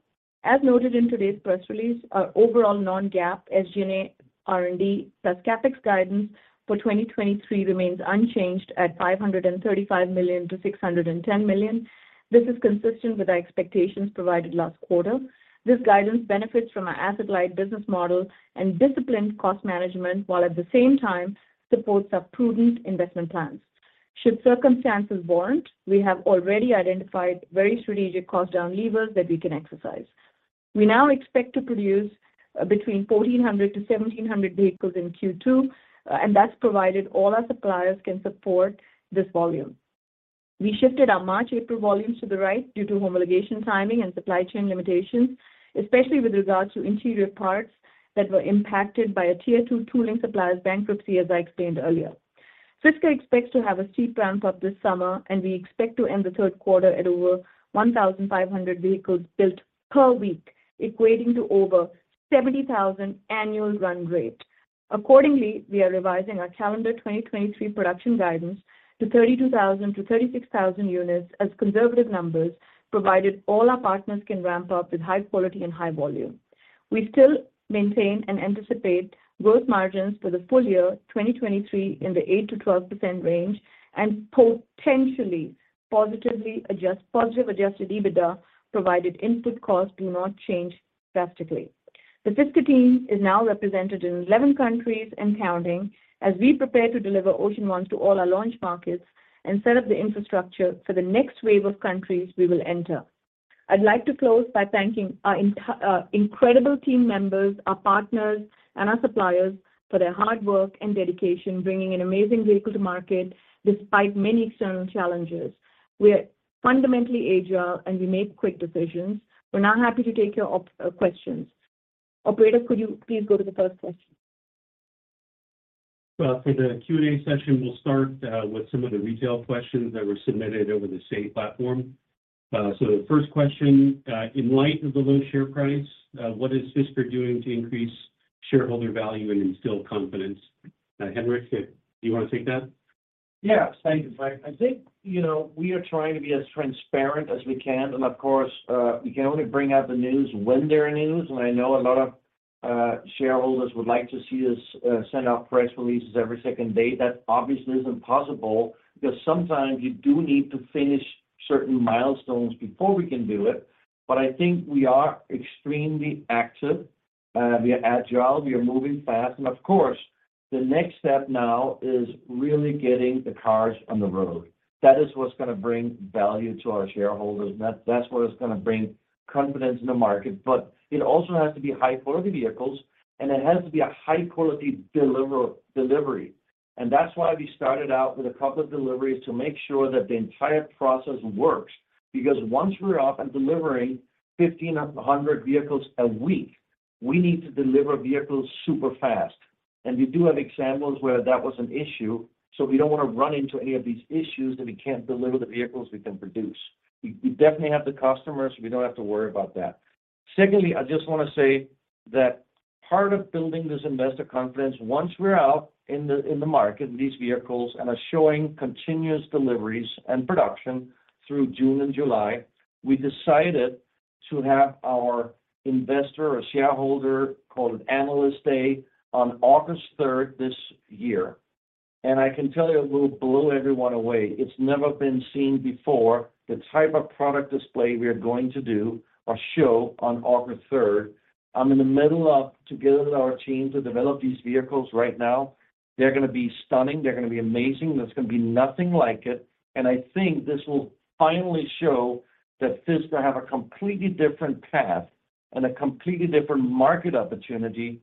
As noted in today's press release, our overall non-GAAP SG&A, R&D, plus CapEx guidance for 2023 remains unchanged at $535 million-610 million. This is consistent with our expectations provided last quarter. This guidance benefits from our asset-light business model and disciplined cost management, while at the same time supports our prudent investment plans. Should circumstances warrant, we have already identified very strategic cost down levers that we can exercise. We now expect to produce between 1,400-1,700 vehicles in Q2, and that's provided all our suppliers can support this volume. We shifted our March, April volumes to the right due to homologation timing and supply chain limitations, especially with regards to interior parts that were impacted by a tier two tooling supplier's bankruptcy, as I explained earlier. Fisker expects to have a steep ramp up this summer, and we expect to end the third quarter at over 1,500 vehicles built per week, equating to over 70,000 annual run rate. Accordingly, we are revising our calendar 2023 production guidance to 32,000-36,000 units as conservative numbers, provided all our partners can ramp up with high quality and high volume. We still maintain and anticipate growth margins for the full year 2023 in the 8%-12% range, and potentially positive adjusted EBITDA, provided input costs do not change drastically. The Fisker team is now represented in 11 countries and counting as we prepare to deliver Ocean Ones to all our launch markets and set up the infrastructure for the next wave of countries we will enter. I'd like to close by thanking our incredible team members, our partners, and our suppliers for their hard work and dedication, bringing an amazing vehicle to market despite many external challenges. We are fundamentally agile, and we make quick decisions. We're now happy to take your questions. Operator, could you please go to the first question? Well, for the Q&A session, we'll start with some of the retail questions that were submitted over the Say platform. The first question. In light of the low share price, what is Fisker doing to increase shareholder value and instill confidence? Henrik, do you wanna take that? Thank you, Mike. I think, you know, we are trying to be as transparent as we can. Of course, we can only bring out the news when there are news. I know a lot of shareholders would like to see us send out press releases every second day. That obviously isn't possible because sometimes you do need to finish certain milestones before we can do it. I think we are extremely active. We are agile, we are moving fast. Of course, the next step now is really getting the cars on the road. That is what's gonna bring value to our shareholders. That's what is gonna bring confidence in the market. It also has to be high-quality vehicles, and it has to be a high-quality delivery. That's why we started out with a couple of deliveries to make sure that the entire process works. Once we're off and delivering 1,500 vehicles a week, we need to deliver vehicles super fast. We do have examples where that was an issue, so we don't wanna run into any of these issues that we can't deliver the vehicles we can produce. We definitely have the customers, we don't have to worry about that. Secondly, I just wanna say that part of building this investor confidence, once we're out in the market with these vehicles and are showing continuous deliveries and production through June and July, we decided to have our Investor or Shareholder call it Analyst Day on August 3rd this year. I can tell you, we'll blow everyone away. It's never been seen before. The type of product display we are going to do or show on August 3rd, I'm in the middle of together with our team to develop these vehicles right now. They're gonna be stunning. They're gonna be amazing. There's gonna be nothing like it, and I think this will finally show that Fisker have a completely different path and a completely different market opportunity,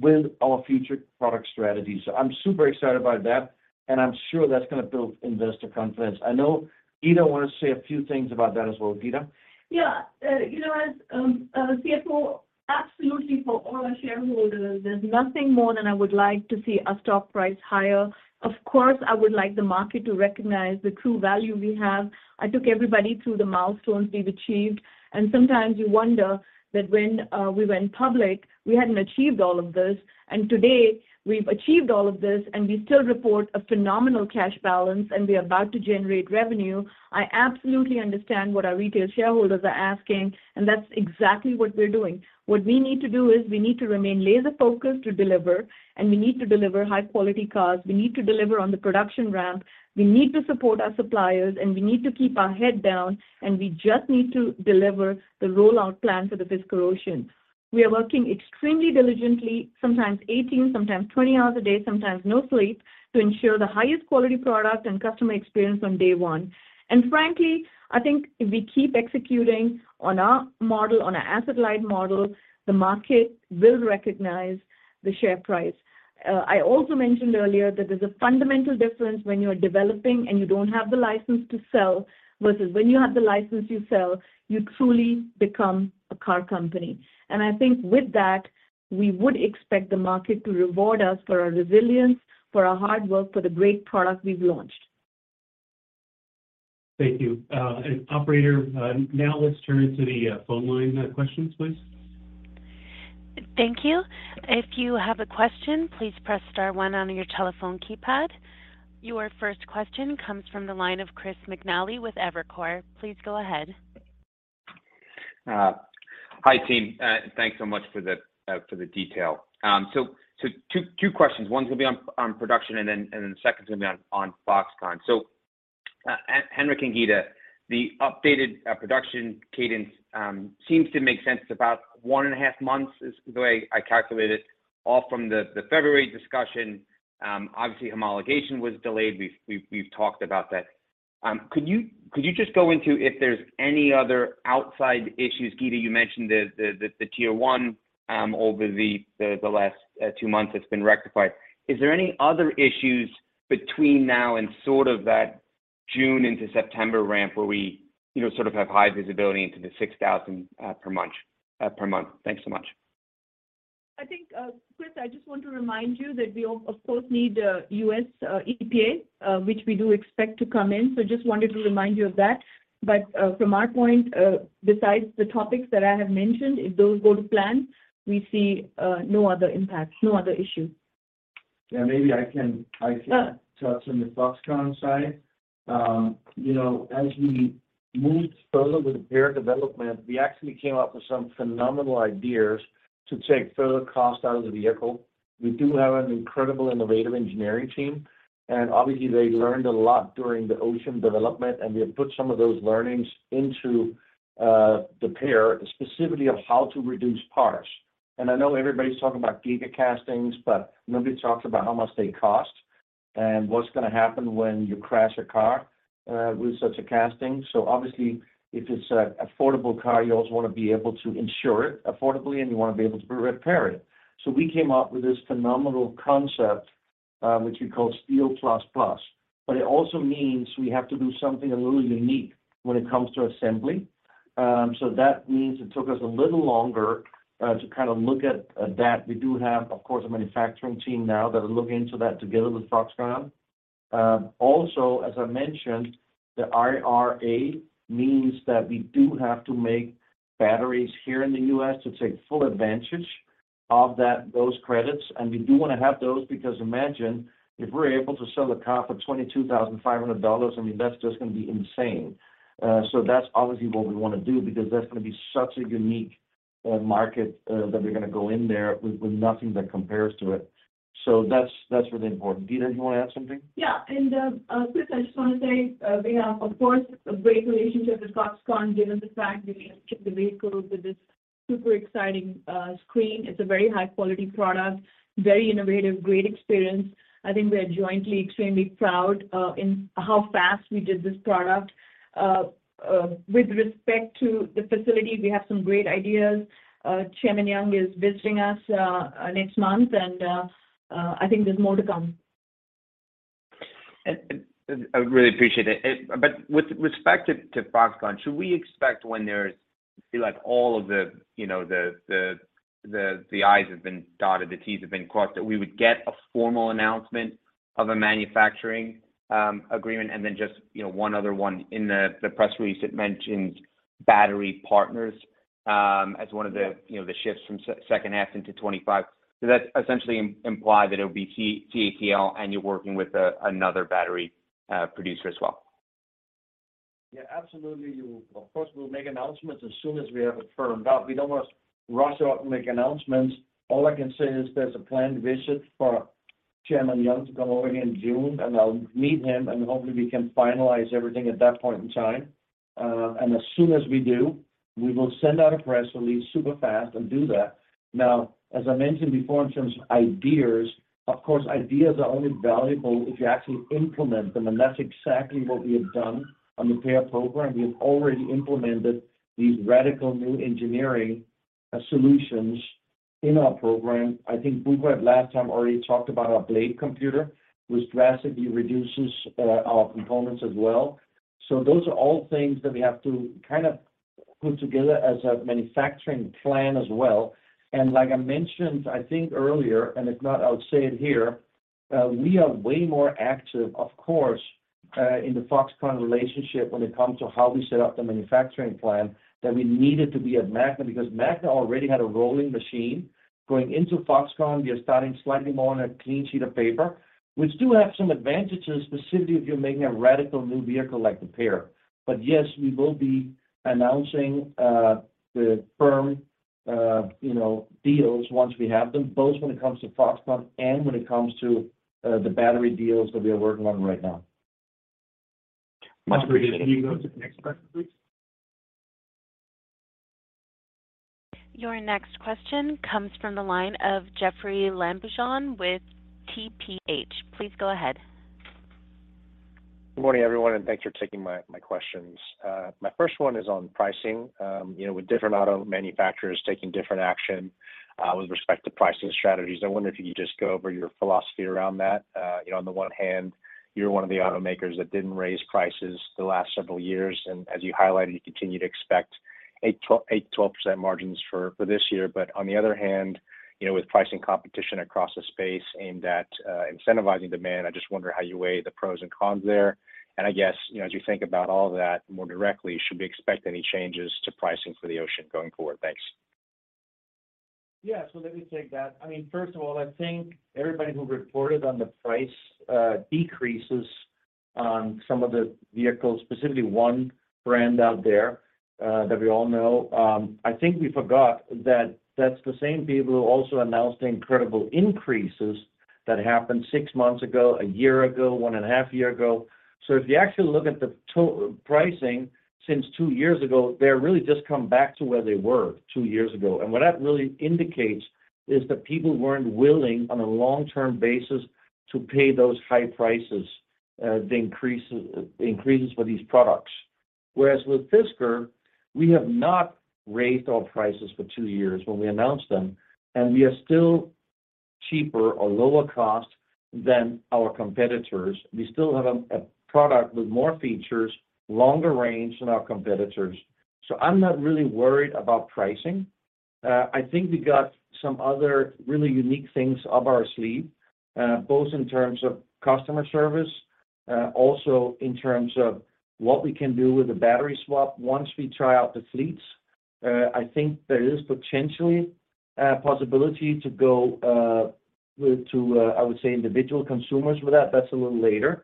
with our future product strategy. I'm super excited about that, and I'm sure that's gonna build investor confidence. I know Geeta wanna say a few things about that as well. Geeta. Yeah. you know, as CFO, absolutely, for all our shareholders, there's nothing more than I would like to see our stock price higher. Of course, I would like the market to recognize the true value we have. I took everybody through the milestones we've achieved, and sometimes you wonder that when we went public, we hadn't achieved all of this. Today, we've achieved all of this, and we still report a phenomenal cash balance, and we are about to generate revenue. I absolutely understand what our retail shareholders are asking, and that's exactly what we're doing. What we need to do is we need to remain laser focused to deliver, and we need to deliver high-quality cars. We need to deliver on the production ramp, we need to support our suppliers, and we need to keep our head down, and we just need to deliver the rollout plan for the Fisker Ocean. We are working extremely diligently, sometimes 18, sometimes 20 hours a day, sometimes no sleep, to ensure the highest quality product and customer experience from day one. Frankly, I think if we keep executing on our model, on our asset-light model, the market will recognize the share price. I also mentioned earlier that there's a fundamental difference when you're developing and you don't have the license to sell versus when you have the license you sell, you truly become a car company. I think with that, we would expect the market to reward us for our resilience, for our hard work, for the great product we've launched. Thank you. Operator, now let's turn to the phone line, questions, please. Thank you. If you have a question, please press star one on your telephone keypad. Your first question comes from the line of Chris McNally with Evercore. Please go ahead. Hi, team. Thanks so much for the detail. So, two questions. One's gonna be on production and then the second's gonna be on Foxconn. Henrik and Geeta, the updated production cadence seems to make sense. About 1.5 months is the way I calculated off from the February discussion. Obviously, homologation was delayed. We've talked about that. Could you just go into if there's any other outside issues? Geeta, you mentioned the tier one over the last two months that's been rectified. Is there any other issues between now and sort of that June into September ramp where we, you know, sort of have high visibility into the 6,000 per month? Thanks so much. I think, Chris, I just want to remind you that we of course need U.S. EPA, which we do expect to come in. Just wanted to remind you of that. From our point, besides the topics that I have mentioned, if those go to plan, we see no other impacts, no other issue. Yeah. Maybe I can. Yeah Touch on the Foxconn side. you know, as we moved further with PEAR development, we actually came up with some phenomenal ideas to take further cost out of the vehicle. We do have an incredible innovative engineering team, and obviously they learned a lot during the Ocean development, and we have put some of those learnings into the PEAR, specifically of how to reduce parts. I know everybody's talking about giga castings, but nobody talks about how much they cost and what's gonna happen when you crash a car with such a casting. Obviously if it's a affordable car, you also wanna be able to insure it affordably and you wanna be able to re-repair it. We came up with this phenomenal concept which we call Steel++. It also means we have to do something a little unique when it comes to assembly. That means it took us a little longer to kind of look at that. We do have, of course, a manufacturing team now that are looking into that together with Foxconn. As I mentioned, the IRA means that we do have to make batteries here in the U.S. to take full advantage of those credits. We do wanna have those because imagine if we're able to sell a car for $22,500, I mean, that's just gonna be insane. That's obviously what we wanna do because that's gonna be such a unique market that we're gonna go in there with nothing that compares to it. That's really important. Geeta, do you wanna add something? Yeah. Chris, I just wanna say, we have of course, a great relationship with Foxconn given the fact that we have shipped the vehicles with this super exciting screen. It's a very high quality product, very innovative, great experience. I think we are jointly extremely proud in how fast we did this product. With respect to the facility, we have some great ideas. Chairman Young is visiting us next month and I think there's more to come. I would really appreciate it. With respect to Foxconn, should we expect when there's feel like all of the, you know, the i's have been dotted, the t's have been crossed, that we would get a formal announcement of a manufacturing agreement? Then just, you know, one other one. In the press release it mentions battery partners, as one of the, you know, the shifts from second half into 2025. Does that essentially imply that it'll be CATL and you're working with another battery producer as well? Yeah, absolutely. Of course, we'll make announcements as soon as we have it firmed up. We don't wanna rush out and make announcements. All I can say is there's a planned visit for Chairman Young to come over here in June, and I'll meet him and hopefully we can finalize everything at that point in time. As soon as we do, we will send out a press release super fast and do that. Now, as I mentioned before in terms of ideas, of course, ideas are only valuable if you actually implement them, and that's exactly what we have done on the PEAR program. We have already implemented these radical new engineering solutions in our program. I think Buhre last time already talked about our Blade computer, which drastically reduces our components as well. Those are all things that we have to kind of put together as a manufacturing plan as well. Like I mentioned I think earlier, and if not, I'll say it here, we are way more active, of course, in the Foxconn relationship when it comes to how we set up the manufacturing plan than we needed to be at Magna because Magna already had a rolling machine. Going into Foxconn, we are starting slightly more on a clean sheet of paper, which do have some advantages specifically if you're making a radical new vehicle like the PEAR. Yes, we will be announcing, the firm, you know, deals once we have them, both when it comes to Foxconn and when it comes to, the battery deals that we are working on right now. Much appreciated. Operator, can you go to the next question, please? Your next question comes from the line of Jeoffrey Lambujon with TPH. Please go ahead. Good morning, everyone, and thanks for taking my questions. My first one is on pricing. You know, with different auto manufacturers taking different action, with respect to pricing strategies, I wonder if you could just go over your philosophy around that. You know, on the one hand you're one of the automakers that didn't raise prices the last several years, and as you highlighted, you continue to expect 8%-12% margins for this year. On the other hand, you know, with pricing competition across the space aimed at incentivizing demand, I just wonder how you weigh the pros and cons there. I guess, you know, as you think about all of that more directly, should we expect any changes to pricing for the Ocean going forward? Thanks. Yeah. Let me take that. I mean, first of all, I think everybody who reported on the price decreases on some of the vehicles, specifically one brand out there that we all know, I think we forgot that that's the same people who also announced the incredible increases that happened six months ago, one year ago, one and a half year ago. If you actually look at the to- pricing since two years ago, they're really just come back to where they were two years ago. What that really indicates is that people weren't willing, on a long-term basis, to pay those high prices, the increases for these products. Whereas with Fisker, we have not raised our prices for two years when we announced them, and we are still cheaper or lower cost than our competitors. We still have a product with more features, longer range than our competitors. I'm not really worried about pricing. I think we got some other really unique things up our sleeve, both in terms of customer service, also in terms of what we can do with the battery swap once we try out the fleets. I think there is potentially a possibility to go to, I would say individual consumers with that. That's a little later.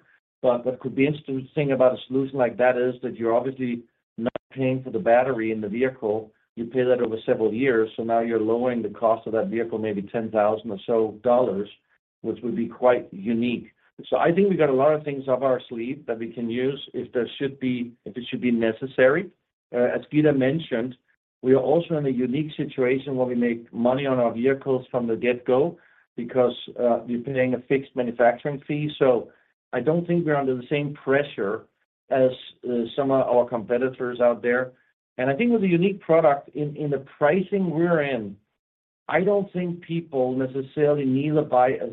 What could be interesting about a solution like that is that you're obviously not paying for the battery in the vehicle. You pay that over several years. Now you're lowering the cost of that vehicle, maybe $10,000 or so, which would be quite unique. I think we got a lot of things up our sleeve that we can use if it should be necessary. As Geeta mentioned, we are also in a unique situation where we make money on our vehicles from the get-go because we're paying a fixed manufacturing fee. I don't think we're under the same pressure as some of our competitors out there. I think with a unique product in the pricing we're in, I don't think people necessarily neither buy a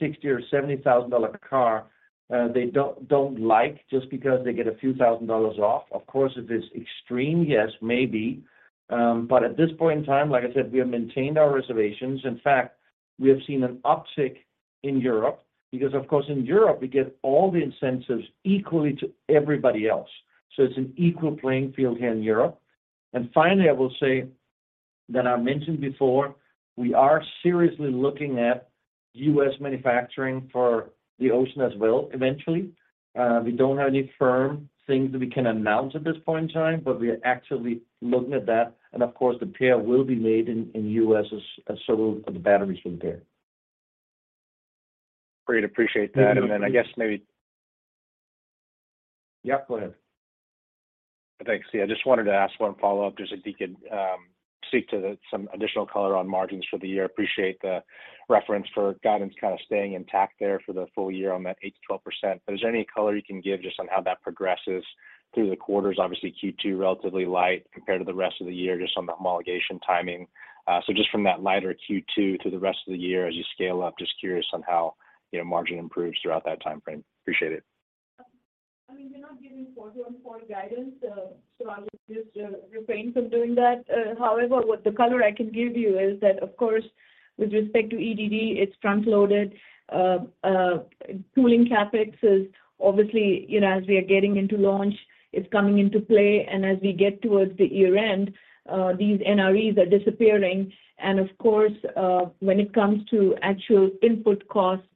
$60 thousand or $70 thousand car, they don't like just because they get a few thousand dollars off. Of course, if it's extreme, yes, maybe. But at this point in time, like I said, we have maintained our reservations. In fact, we have seen an uptick in Europe because of course in Europe, we get all the incentives equally to everybody else. It's an equal playing field here in Europe. Finally, I will say that I mentioned before, we are seriously looking at U.S. manufacturing for the Ocean as well eventually. We don't have any firm things that we can announce at this point in time, but we are actively looking at that. Of course, the PEAR will be made in U.S. as so will the batteries with PEAR. Great. Appreciate that. I guess. Yeah, go ahead. Thanks. Yeah, I just wanted to ask one follow-up, just if you could, speak to some additional color on margins for the year. Appreciate the reference for guidance kind of staying intact there for the full year on that 8%-12%. Is there any color you can give just on how that progresses through the quarters? Obviously, Q2 relatively light compared to the rest of the year just on the homologation timing. Just from that lighter Q2 through the rest of the year as you scale up, just curious on how, you know, margin improves throughout that time frame. Appreciate it. I mean, we're not giving quarter-on-quarter guidance, so I will just refrain from doing that. However, what the color I can give you is that, of course, with respect to EDD, it's front-loaded. Tooling CapEx is obviously, you know, as we are getting into launch, it's coming into play. As we get towards the year-end, these NREs are disappearing. Of course, when it comes to actual input costs,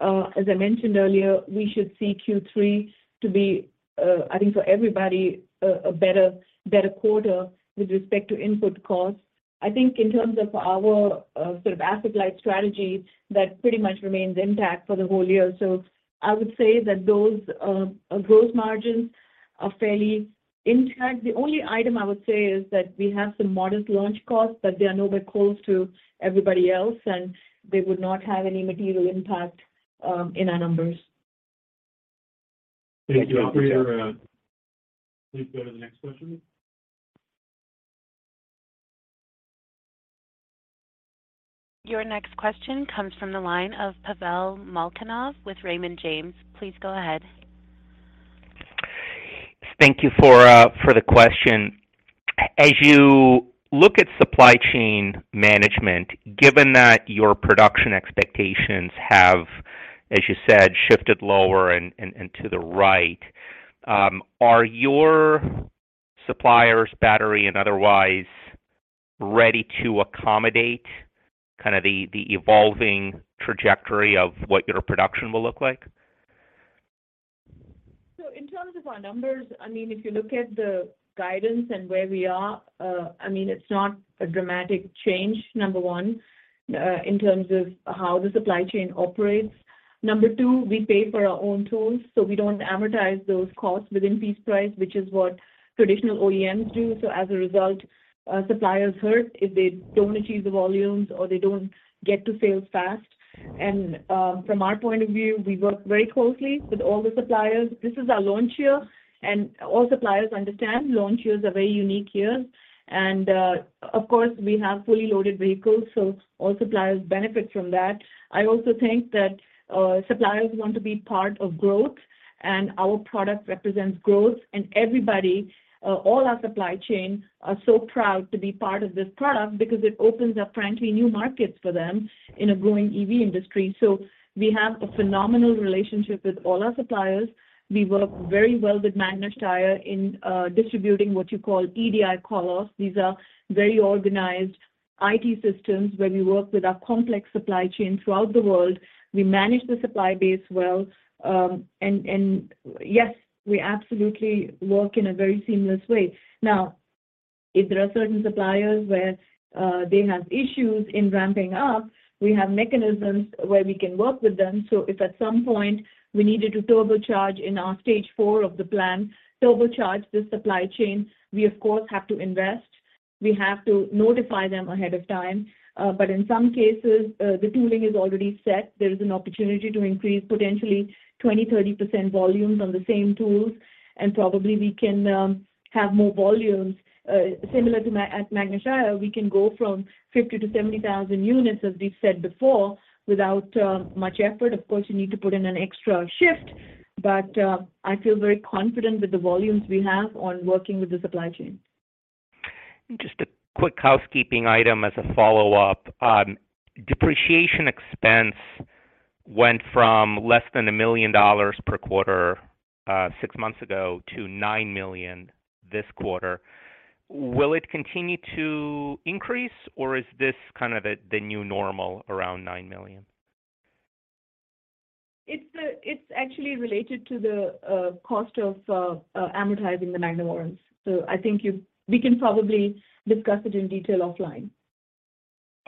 as I mentioned earlier, we should see Q3 to be, I think for everybody, a better quarter with respect to input costs. I think in terms of our sort of asset-light strategy, that pretty much remains intact for the whole year. I would say that those gross margins are fairly intact. The only item I would say is that we have some modest launch costs, but they are nowhere close to everybody else, and they would not have any material impact in our numbers. Thank you. Operator, please go to the next question. Your next question comes from the line of Pavel Molchanov with Raymond James. Please go ahead. Thank you for for the question. As you look at supply chain management, given that your production expectations have, as you said, shifted lower and to the right, are your suppliers, battery and otherwise, ready to accommodate kind of the evolving trajectory of what your production will look like? In terms of our numbers, I mean, if you look at the guidance and where we are, I mean, it's not a dramatic change, number one, in terms of how the supply chain operates. Number two, we pay for our own tools, so we don't amortize those costs within piece price, which is what traditional OEMs do. As a result, suppliers hurt if they don't achieve the volumes or they don't get to sales fast. From our point of view, we work very closely with all the suppliers. This is our launch year, and all suppliers understand launch years are very unique years. Of course, we have fully loaded vehicles, so all suppliers benefit from that. I also think that, suppliers want to be part of growth, and our product represents growth. Everybody, all our supply chain are so proud to be part of this product because it opens up frankly new markets for them in a growing EV industry. We have a phenomenal relationship with all our suppliers. We work very well with Magna Steyr in distributing what you call EDI catalogs. These are very organized IT systems where we work with our complex supply chain throughout the world. We manage the supply base well. Yes, we absolutely work in a very seamless way. Now, if there are certain suppliers where they have issues in ramping up, we have mechanisms where we can work with them. If at some point we needed to turbocharge in our stage four of the plan, turbocharge the supply chain, we of course have to invest. We have to notify them ahead of time. In some cases, the tooling is already set. There is an opportunity to increase potentially 20%-30% volumes on the same tools, and probably we can have more volumes similar to at Magna Steyr. We can go from 50,000-70,000 units, as we've said before, without much effort. Of course, you need to put in an extra shift. I feel very confident with the volumes we have on working with the supply chain. Just a quick housekeeping item as a follow-up. Depreciation expense went from less than $1 million per quarter, six months ago to $9 million this quarter. Will it continue to increase, or is this kind of the new normal around $9 million? It's actually related to the cost of amortizing the Magna warrants. I think we can probably discuss it in detail offline.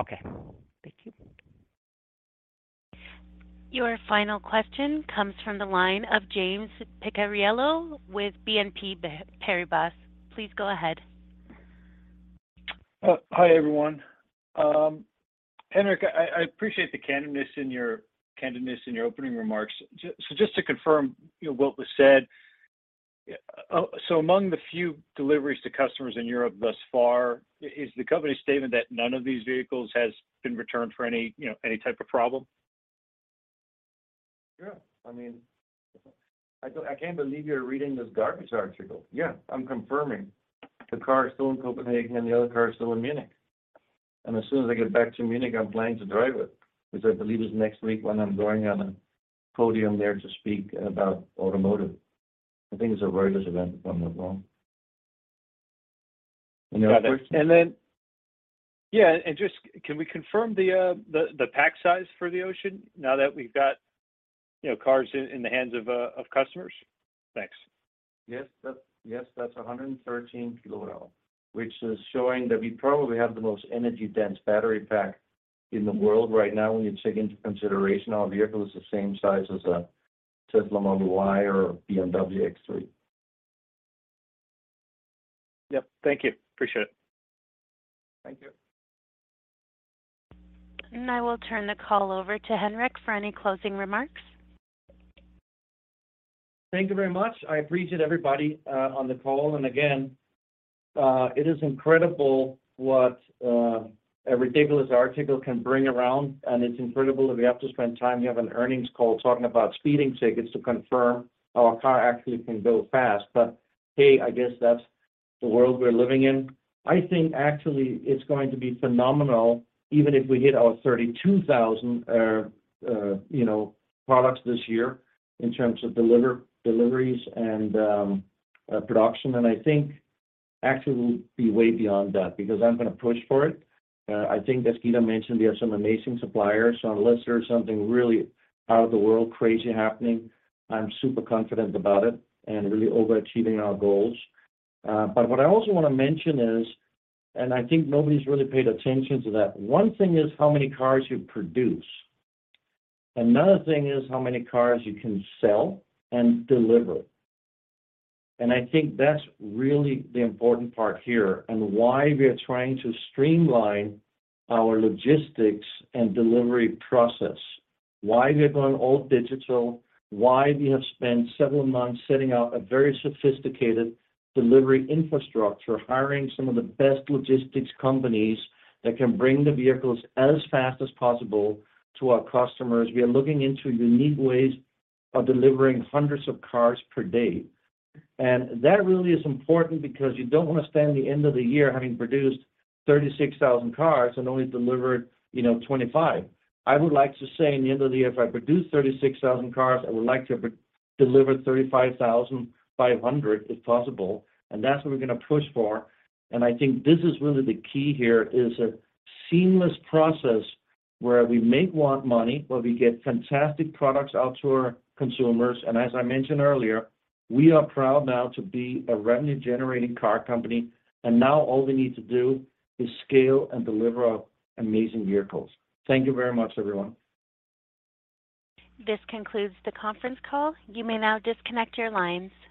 Okay. Thank you. Your final question comes from the line of James Picariello with BNP Paribas. Please go ahead. Hi, everyone. Henrik, I appreciate the candidness in your opening remarks. Just to confirm, you know, what was said, so among the few deliveries to customers in Europe thus far, is the company statement that none of these vehicles has been returned for any, you know, any type of problem? Yeah. I mean, I can't believe you're reading this garbage article. Yeah, I'm confirming. The car is still in Copenhagen, the other car is still in Munich. As soon as I get back to Munich, I'm planning to drive it, which I believe is next week when I'm going on a podium there to speak about automotive. I think it's a very good event if I'm not wrong. You know. Got it. Yeah, just can we confirm the pack size for the Ocean now that we've got, you know, cars in the hands of customers? Thanks. Yes, that's 113 kilowatt, which is showing that we probably have the most energy-dense battery pack in the world right now when you take into consideration our vehicle is the same size as a Tesla Model Y or BMW X3. Yep. Thank you. Appreciate it. Thank you. I will turn the call over to Henrik for any closing remarks. Thank you very much. I appreciate everybody on the call. Again, it is incredible what a ridiculous article can bring around, and it's incredible that we have to spend time. We have an earnings call talking about speeding tickets to confirm our car actually can go fast. Hey, I guess that's the world we're living in. I think actually it's going to be phenomenal even if we hit our 32,000, you know, products this year in terms of deliveries and production. I think actually we'll be way beyond that because I'm gonna push for it. I think as Geeta mentioned, we have some amazing suppliers. Unless there's something really out of the world crazy happening, I'm super confident about it and really overachieving our goals. What I also wanna mention is, I think nobody's really paid attention to that, one thing is how many cars you produce, another thing is how many cars you can sell and deliver. I think that's really the important part here and why we are trying to streamline our logistics and delivery process, why we are going all digital, why we have spent several months setting up a very sophisticated delivery infrastructure, hiring some of the best logistics companies that can bring the vehicles as fast as possible to our customers. We are looking into unique ways of delivering hundreds of cars per day. That really is important because you don't wanna spend the end of the year having produced 36,000 cars and only delivered, you know, 2025. I would like to say in the end of the year, if I produce 36,000 cars, I would like to de-deliver 35,500, if possible. That's what we're gonna push for. I think this is really the key here, is a seamless process where we make want money, where we get fantastic products out to our consumers. As I mentioned earlier, we are proud now to be a revenue-generating car company. Now all we need to do is scale and deliver our amazing vehicles. Thank you very much, everyone. This concludes the conference call. You may now disconnect your lines.